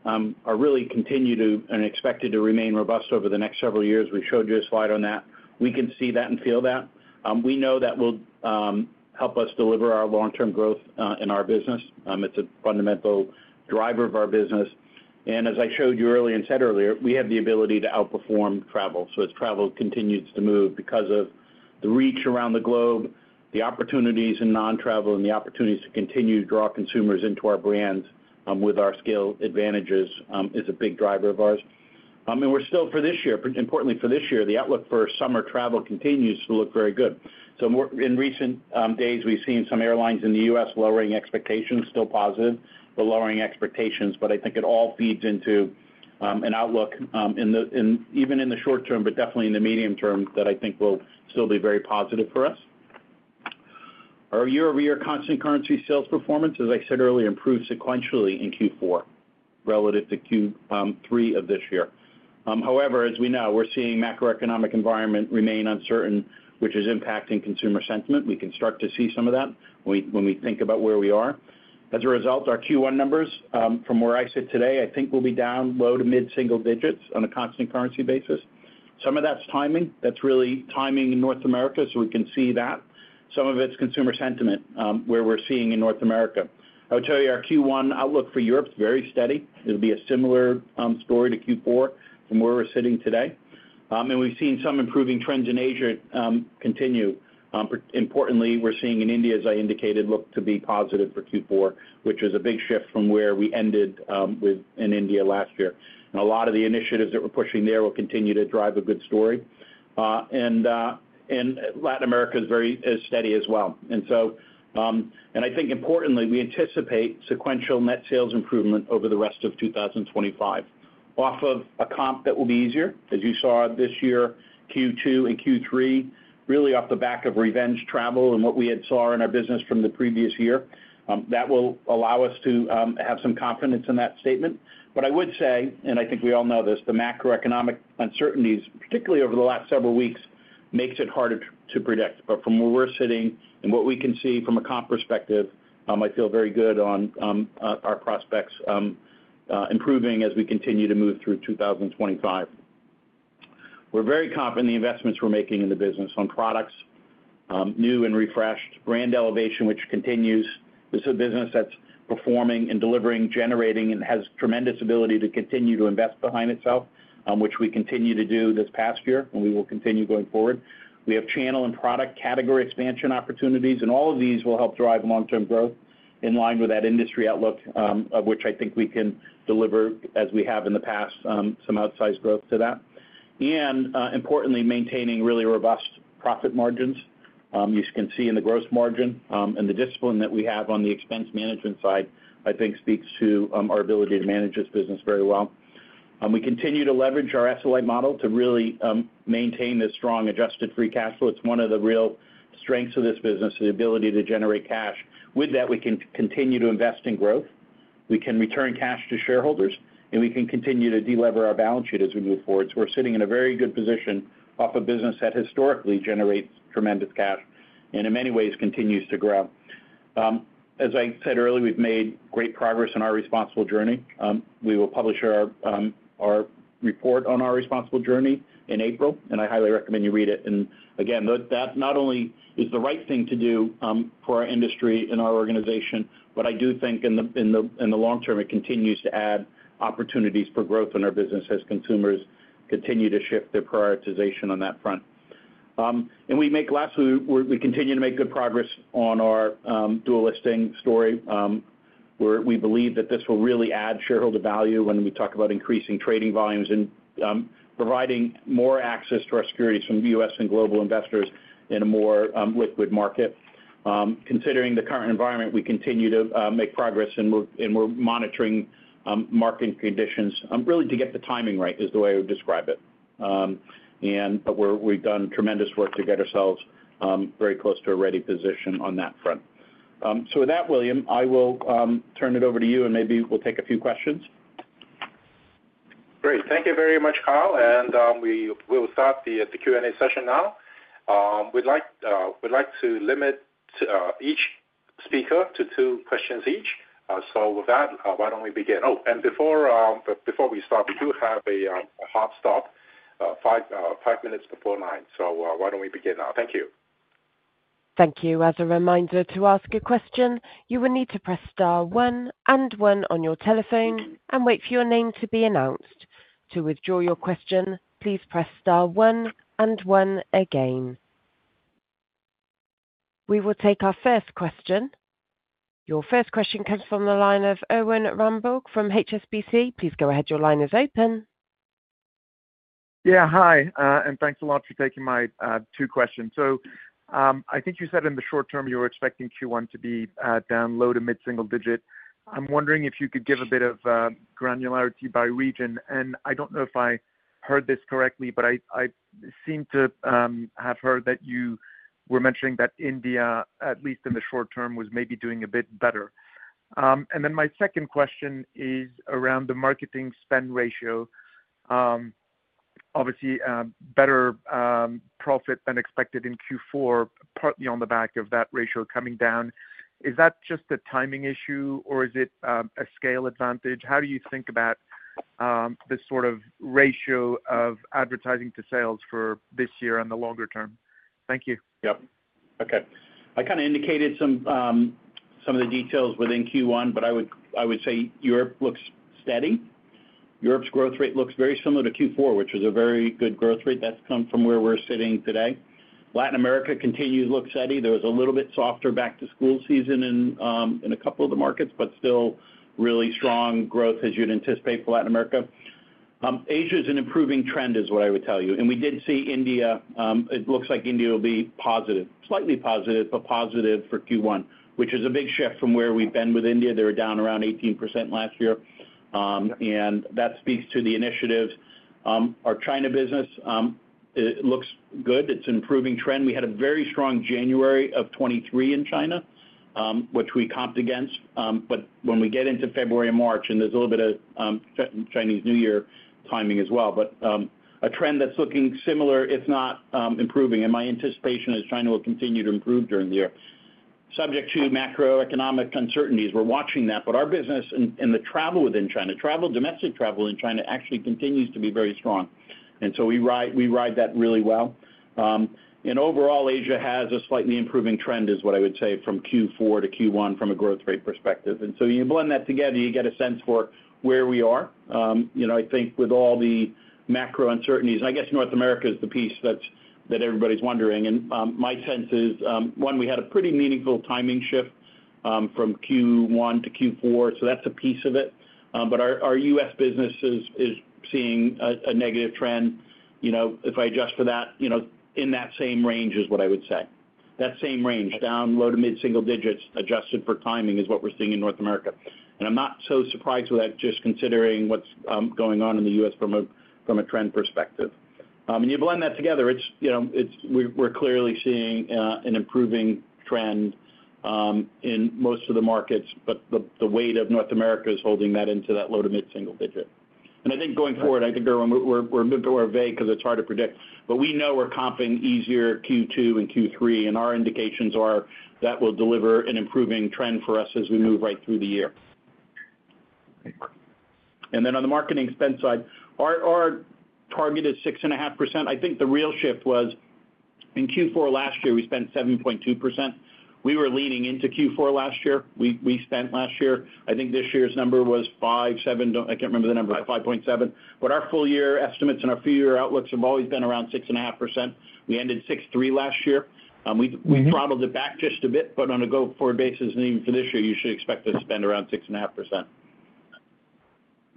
are really continuing to and expected to remain robust over the next several years. We showed you a slide on that. We can see that and feel that. We know that will help us deliver our long-term growth in our business. It's a fundamental driver of our business. As I showed you earlier and said earlier, we have the ability to outperform travel. As travel continues to move because of the reach around the globe, the opportunities in non-travel, and the opportunities to continue to draw consumers into our brands, with our scale advantages, is a big driver of ours. We're still, for this year, importantly for this year, the outlook for summer travel continues to look very good. In recent days, we've seen some airlines in the U.S. lowering expectations, still positive, but lowering expectations. I think it all feeds into an outlook, even in the short term, but definitely in the medium term that I think will still be very positive for us. Our year-over-year constant currency sales performance, as I said earlier, improved sequentially in Q4 relative to Q3 of this year. However, as we know, we're seeing the macroeconomic environment remain uncertain, which is impacting consumer sentiment. We can start to see some of that when we think about where we are. As a result, our Q1 numbers, from where I sit today, I think will be down low to mid-single digits on a constant currency basis. Some of that's timing. That's really timing in North America. You can see that. Some of it's consumer sentiment, where we're seeing in North America. I would tell you our Q1 outlook for Europe is very steady. It'll be a similar story to Q4 from where we're sitting today. We've seen some improving trends in Asia continue. Importantly, we're seeing in India, as I indicated, look to be positive for Q4, which is a big shift from where we ended in India last year. A lot of the initiatives that we're pushing there will continue to drive a good story. Latin America is steady as well. I think importantly, we anticipate sequential net sales improvement over the rest of 2025 off of a comp that will be easier, as you saw this year, Q2 and Q3, really off the back of revenge travel and what we had saw in our business from the previous year. That will allow us to have some confidence in that statement. I would say, and I think we all know this, the macroeconomic uncertainties, particularly over the last several weeks, make it harder to predict. From where we're sitting and what we can see from a comp perspective, I feel very good on our prospects improving as we continue to move through 2025. We're very confident in the investments we're making in the business on products, new and refreshed brand elevation, which continues. This is a business that's performing and delivering, generating, and has tremendous ability to continue to invest behind itself, which we continue to do this past year and we will continue going forward. We have channel and product category expansion opportunities, and all of these will help drive long-term growth in line with that industry outlook, of which I think we can deliver, as we have in the past, some outsized growth to that. Importantly, maintaining really robust profit margins. You can see in the gross margin, and the discipline that we have on the expense management side, I think speaks to our ability to manage this business very well. We continue to leverage our SLA model to really maintain this strong adjusted free cash flow. It's one of the real strengths of this business, the ability to generate cash. With that, we can continue to invest in growth. We can return cash to shareholders, and we can continue to delever our balance sheet as we move forward. We're sitting in a very good position off a business that historically generates tremendous cash and in many ways continues to grow. As I said earlier, we've made great progress in our responsible journey. We will publish our report on our responsible journey in April, and I highly recommend you read it. That not only is the right thing to do for our industry and our organization, but I do think in the long term, it continues to add opportunities for growth in our business as consumers continue to shift their prioritization on that front. Lastly, we continue to make good progress on our dual listing story. We believe that this will really add shareholder value when we talk about increasing trading volumes and providing more access to our securities from US and global investors in a more liquid market. Considering the current environment, we continue to make progress and we're monitoring market conditions, really to get the timing right is the way I would describe it. We've done tremendous work to get ourselves very close to a ready position on that front. With that, William, I will turn it over to you and maybe we'll take a few questions. Great. Thank you very much, Kyle. We will start the Q&A session now. We'd like to limit each speaker to two questions each. With that, why don't we begin? Oh, and before we start, we do have a hard stop five minutes before nine. Why don't we begin now? Thank you. Thank you. As a reminder, to ask a question, you will need to press star one and one on your telephone and wait for your name to be announced. To withdraw your question, please press star one and one again. We will take our first question. Your first question comes from the line of Erwin Ramburgh from HSBC. Please go ahead. Your line is open. Yeah. Hi, and thanks a lot for taking my two questions. I think you said in the short term you were expecting Q1 to be down low to mid-single digit. I'm wondering if you could give a bit of granularity by region. I don't know if I heard this correctly, but I seem to have heard that you were mentioning that India, at least in the short term, was maybe doing a bit better. My second question is around the marketing spend ratio. Obviously, better profit than expected in Q4, partly on the back of that ratio coming down. Is that just a timing issue or is it a scale advantage? How do you think about this sort of ratio of advertising to sales for this year on the longer term? Thank you. Yep. I kind of indicated some of the details within Q1, but I would say Europe looks steady. Europe's growth rate looks very similar to Q4, which was a very good growth rate. That's come from where we're sitting today. Latin America continues to look steady. There was a little bit softer back to school season in a couple of the markets, but still really strong growth as you'd anticipate for Latin America. Asia is an improving trend is what I would tell you. We did see India, it looks like India will be positive, slightly positive, but positive for Q1, which is a big shift from where we've been with India. They were down around 18% last year, and that speaks to the initiatives. Our China business, it looks good. It's an improving trend. We had a very strong January of 2023 in China, which we comped against. When we get into February and March, and there's a little bit of Chinese New Year timing as well, a trend that's looking similar, if not improving. My anticipation is China will continue to improve during the year. Subject to macroeconomic uncertainties, we're watching that, but our business and the travel within China, travel, domestic travel in China actually continues to be very strong. And so we ride, we ride that really well. And overall, Asia has a slightly improving trend is what I would say from Q4 to Q1 from a growth rate perspective. And so you blend that together, you get a sense for where we are. You know, I think with all the macro uncertainties, and I guess North America is the piece that's, that everybody's wondering. And, my sense is, one, we had a pretty meaningful timing shift, from Q1 to Q4. So that's a piece of it. But our, our US business is, is seeing a, a negative trend. You know, if I adjust for that, you know, in that same range is what I would say. That same range, down low to mid-single digits, adjusted for timing is what we're seeing in North America. I'm not so surprised with that just considering what's going on in the US from a trend perspective. You blend that together, it's, you know, we're clearly seeing an improving trend in most of the markets, but the weight of North America is holding that into that low to mid-single digit. I think going forward, I think, Erwan, we're a bit more vague because it's hard to predict, but we know we're comping easier Q2 and Q3, and our indications are that will deliver an improving trend for us as we move right through the year. On the marketing spend side, our target is 6.5%. I think the real shift was in Q4 last year, we spent 7.2%. We were leaning into Q4 last year. We spent last year. I think this year's number was five, seven, I can't remember the number, 5.7%. But our full year estimates and our few year outlooks have always been around 6.5%. We ended 6.3% last year. We throttled it back just a bit, but on a go-forward basis, and even for this year, you should expect to spend around 6.5%.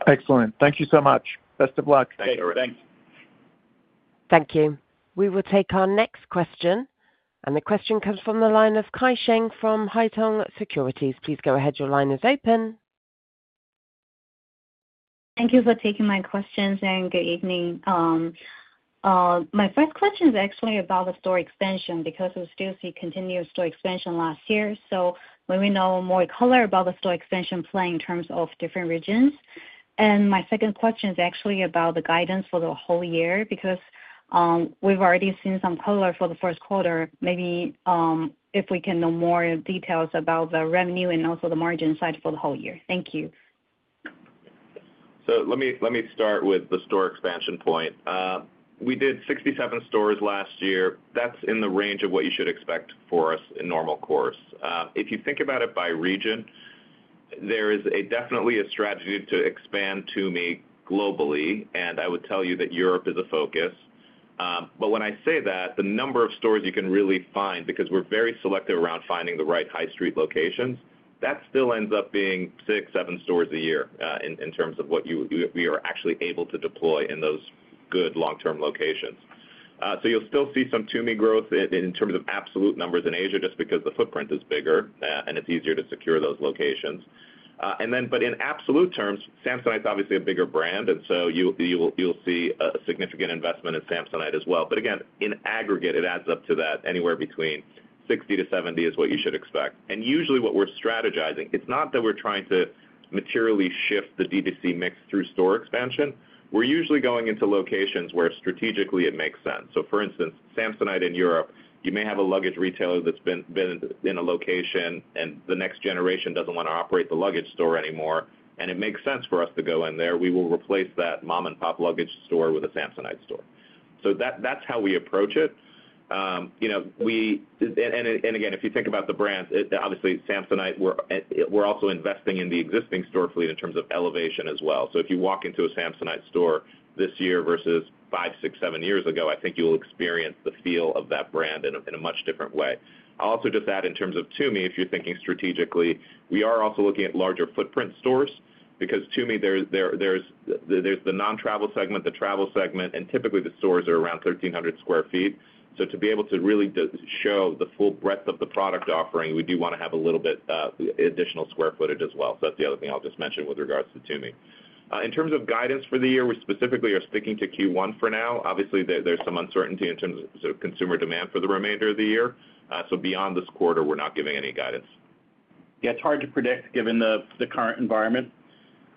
Excellent. Thank you so much. Best of luck. Thank you. Thanks. Thank you. We will take our next question. The question comes from the line of Kai Sheng from Haitong Securities. Please go ahead. Your line is open. Thank you for taking my questions and good evening. My first question is actually about the store extension because we still see continuous store extension last year. So when we know more color about the store extension play in terms of different regions. And my second question is actually about the guidance for the whole year because, we've already seen some color for the first quarter, maybe, if we can know more details about the revenue and also the margin side for the whole year. Thank you. Let me start with the store expansion point. We did 67 stores last year. That's in the range of what you should expect for us in normal course. If you think about it by region, there is definitely a strategy to expand Tumi globally. I would tell you that Europe is a focus. When I say that, the number of stores you can really find, because we're very selective around finding the right high street locations, that still ends up being six, seven stores a year, in terms of what you, we are actually able to deploy in those good long-term locations. You'll still see some Tumi growth in terms of absolute numbers in Asia just because the footprint is bigger, and it's easier to secure those locations. In absolute terms, Samsonite's obviously a bigger brand. You’ll see a significant investment in Samsonite as well. Again, in aggregate, it adds up to that anywhere between 60-70 is what you should expect. Usually what we're strategizing, it's not that we're trying to materially shift the DTC mix through store expansion. We're usually going into locations where strategically it makes sense. For instance, Samsonite in Europe, you may have a luggage retailer that's been in a location and the next generation doesn't want to operate the luggage store anymore. It makes sense for us to go in there. We will replace that mom-and-pop luggage store with a Samsonite store. That's how we approach it. You know, if you think about the brands, obviously Samsonite, we're also investing in the existing store fleet in terms of elevation as well. If you walk into a Samsonite store this year versus five, six, seven years ago, I think you'll experience the feel of that brand in a much different way. I'll also just add in terms of Tumi, if you're thinking strategically, we are also looking at larger footprint stores because Tumi, there, there's the non-travel segment, the travel segment, and typically the stores are around 1,300 sq ft. To be able to really show the full breadth of the product offering, we do want to have a little bit additional square footage as well. That's the other thing I'll just mention with regards to Tumi. In terms of guidance for the year, we specifically are sticking to Q1 for now. Obviously, there's some uncertainty in terms of consumer demand for the remainder of the year. Beyond this quarter, we're not giving any guidance. Yeah. It's hard to predict given the current environment.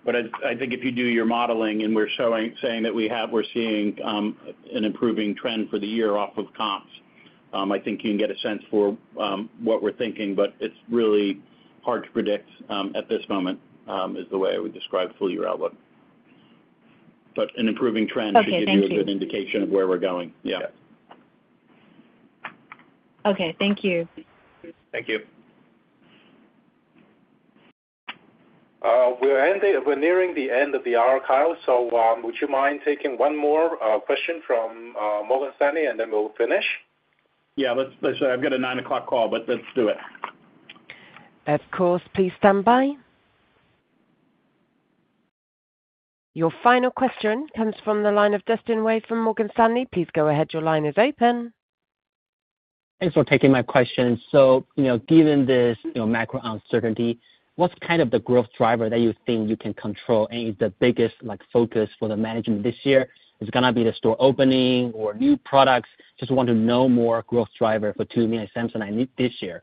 I think if you do your modeling and we're showing, saying that we have, we're seeing, an improving trend for the year off of comps, I think you can get a sense for what we're thinking, but it's really hard to predict at this moment, is the way I would describe full year outlook. An improving trend should give you a good indication of where we're going. Yeah. Okay. Thank you. Thank you. We're nearing the end of the hour, Kyle. Would you mind taking one more question from Morgan Stanley and then we'll finish? Yeah. Let's say I've got a 9:00 A.M. call, but let's do it. Of course. Please stand by. Your final question comes from the line of Dustin from Morgan Stanley. Please go ahead. Your line is open. Thanks for taking my question. You know, given this, you know, macro uncertainty, what's kind of the growth driver that you think you can control and is the biggest, like, focus for the management this year? It's gonna be the store opening or new products. Just want to know more growth driver for Tumi and Samsonite this year.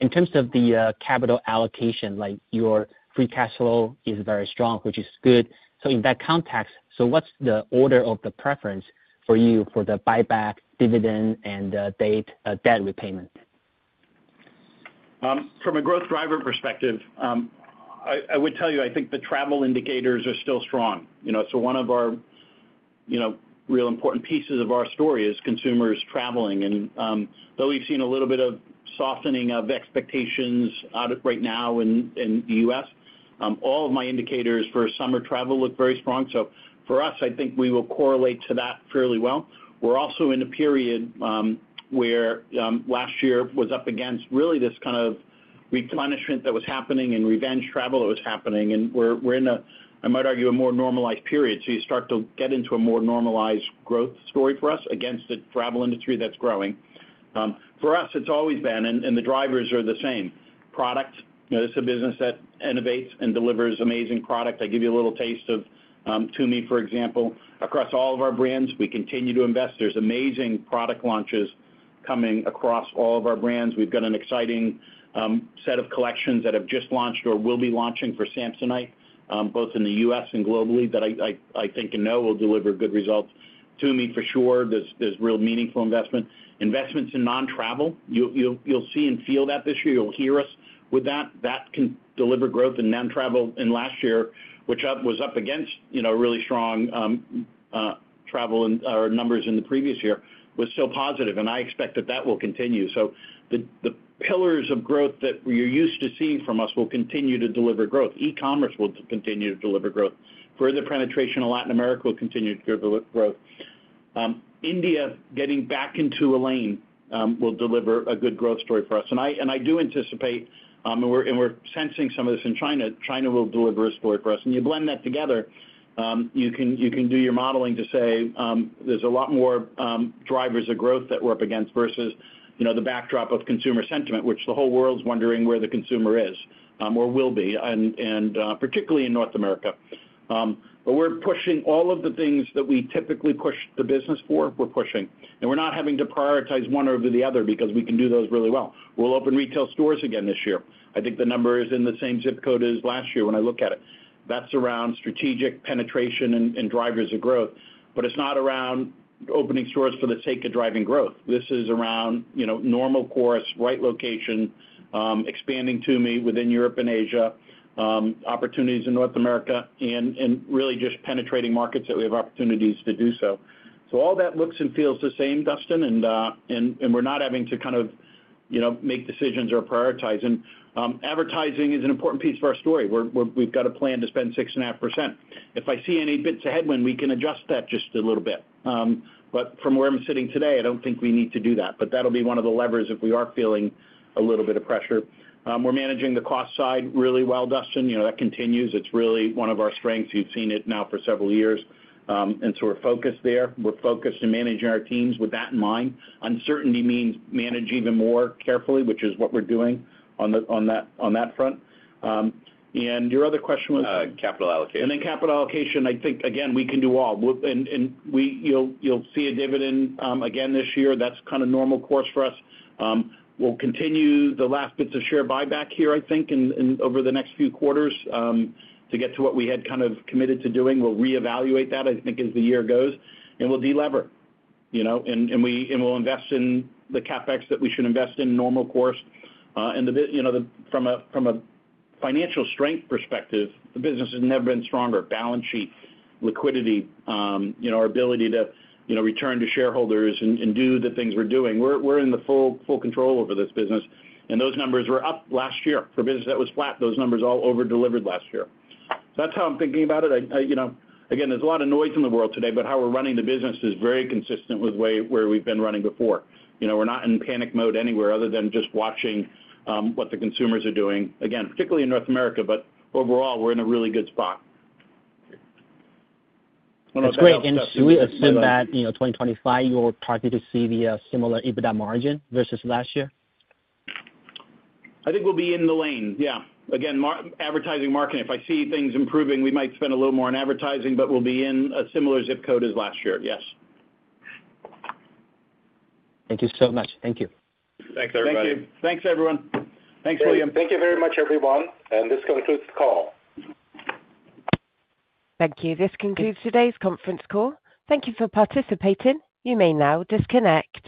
In terms of the capital allocation, like your free cash flow is very strong, which is good. In that context, what's the order of the preference for you for the buyback, dividend, and the debt repayment? From a growth driver perspective, I would tell you, I think the travel indicators are still strong. You know, one of our, you know, real important pieces of our story is consumers traveling. Though we've seen a little bit of softening of expectations out right now in the US, all of my indicators for summer travel look very strong. For us, I think we will correlate to that fairly well. We're also in a period where last year was up against really this kind of replenishment that was happening and revenge travel that was happening. We're in a, I might argue, a more normalized period. You start to get into a more normalized growth story for us against the travel industry that's growing. For us, it's always been, and the drivers are the same. Product, you know, it's a business that innovates and delivers amazing product. I give you a little taste of Tumi, for example. Across all of our brands, we continue to invest. There's amazing product launches coming across all of our brands. We've got an exciting set of collections that have just launched or will be launching for Samsonite, both in the US and globally that I think and know will deliver good results. To me, for sure, there's real meaningful investment. Investments in non-travel, you'll see and feel that this year. You'll hear us with that. That can deliver growth in non-travel. And last year, which was up against, you know, really strong travel and numbers in the previous year, was still positive. I expect that that will continue. The pillars of growth that you're used to seeing from us will continue to deliver growth. E-commerce will continue to deliver growth. Further penetration of Latin America will continue to deliver growth. India getting back into a lane will deliver a good growth story for us. I do anticipate, and we're sensing some of this in China. China will deliver a story for us. You blend that together, you can do your modeling to say there's a lot more drivers of growth that we're up against versus, you know, the backdrop of consumer sentiment, which the whole world's wondering where the consumer is, or will be, and particularly in North America. We're pushing all of the things that we typically push the business for. We're pushing, and we're not having to prioritize one over the other because we can do those really well. We'll open retail stores again this year. I think the number is in the same zip code as last year when I look at it. That's around strategic penetration and drivers of growth. It is not around opening stores for the sake of driving growth. This is around, you know, normal course, right location, expanding to me within Europe and Asia, opportunities in North America, and really just penetrating markets that we have opportunities to do so. All that looks and feels the same, Dustin. We are not having to kind of, you know, make decisions or prioritize. Advertising is an important piece of our story. We have got a plan to spend 6.5%. If I see any bits ahead when we can adjust that just a little bit. From where I am sitting today, I do not think we need to do that, but that will be one of the levers if we are feeling a little bit of pressure. We are managing the cost side really well, Dustin. You know, that continues. It's really one of our strengths. You've seen it now for several years. We're focused there. We're focused in managing our teams with that in mind. Uncertainty means manage even more carefully, which is what we're doing on that front. Your other question was capital allocation. Capital allocation, I think again, we can do all. You'll see a dividend again this year. That's kind of normal course for us. We'll continue the last bits of share buyback here, I think, over the next few quarters, to get to what we had kind of committed to doing. We'll reevaluate that, I think, as the year goes, and we'll delever, you know, and we'll invest in the CapEx that we should invest in normal course. And the bit, you know, from a financial strength perspective, the business has never been stronger. Balance sheet, liquidity, you know, our ability to, you know, return to shareholders and do the things we're doing. We're in full control over this business. And those numbers were up last year for a business that was flat. Those numbers all over delivered last year. So that's how I'm thinking about it. I, you know, again, there's a lot of noise in the world today, but how we're running the business is very consistent with where we've been running before. You know, we're not in panic mode anywhere other than just watching what the consumers are doing. Again, particularly in North America, but overall, we're in a really good spot. That's great. Should we assume that, you know, 2025, you're targeting to see the similar EBITDA margin versus last year? I think we'll be in the lane. Yeah. Again, advertising market. If I see things improving, we might spend a little more on advertising, but we'll be in a similar zip code as last year. Yes. Thank you so much. Thank you. Thanks, everybody. Thank you. Thanks, everyone. Thanks, William. Thank you very much, everyone. This concludes the call. Thank you. This concludes today's conference call. Thank you for participating. You may now disconnect.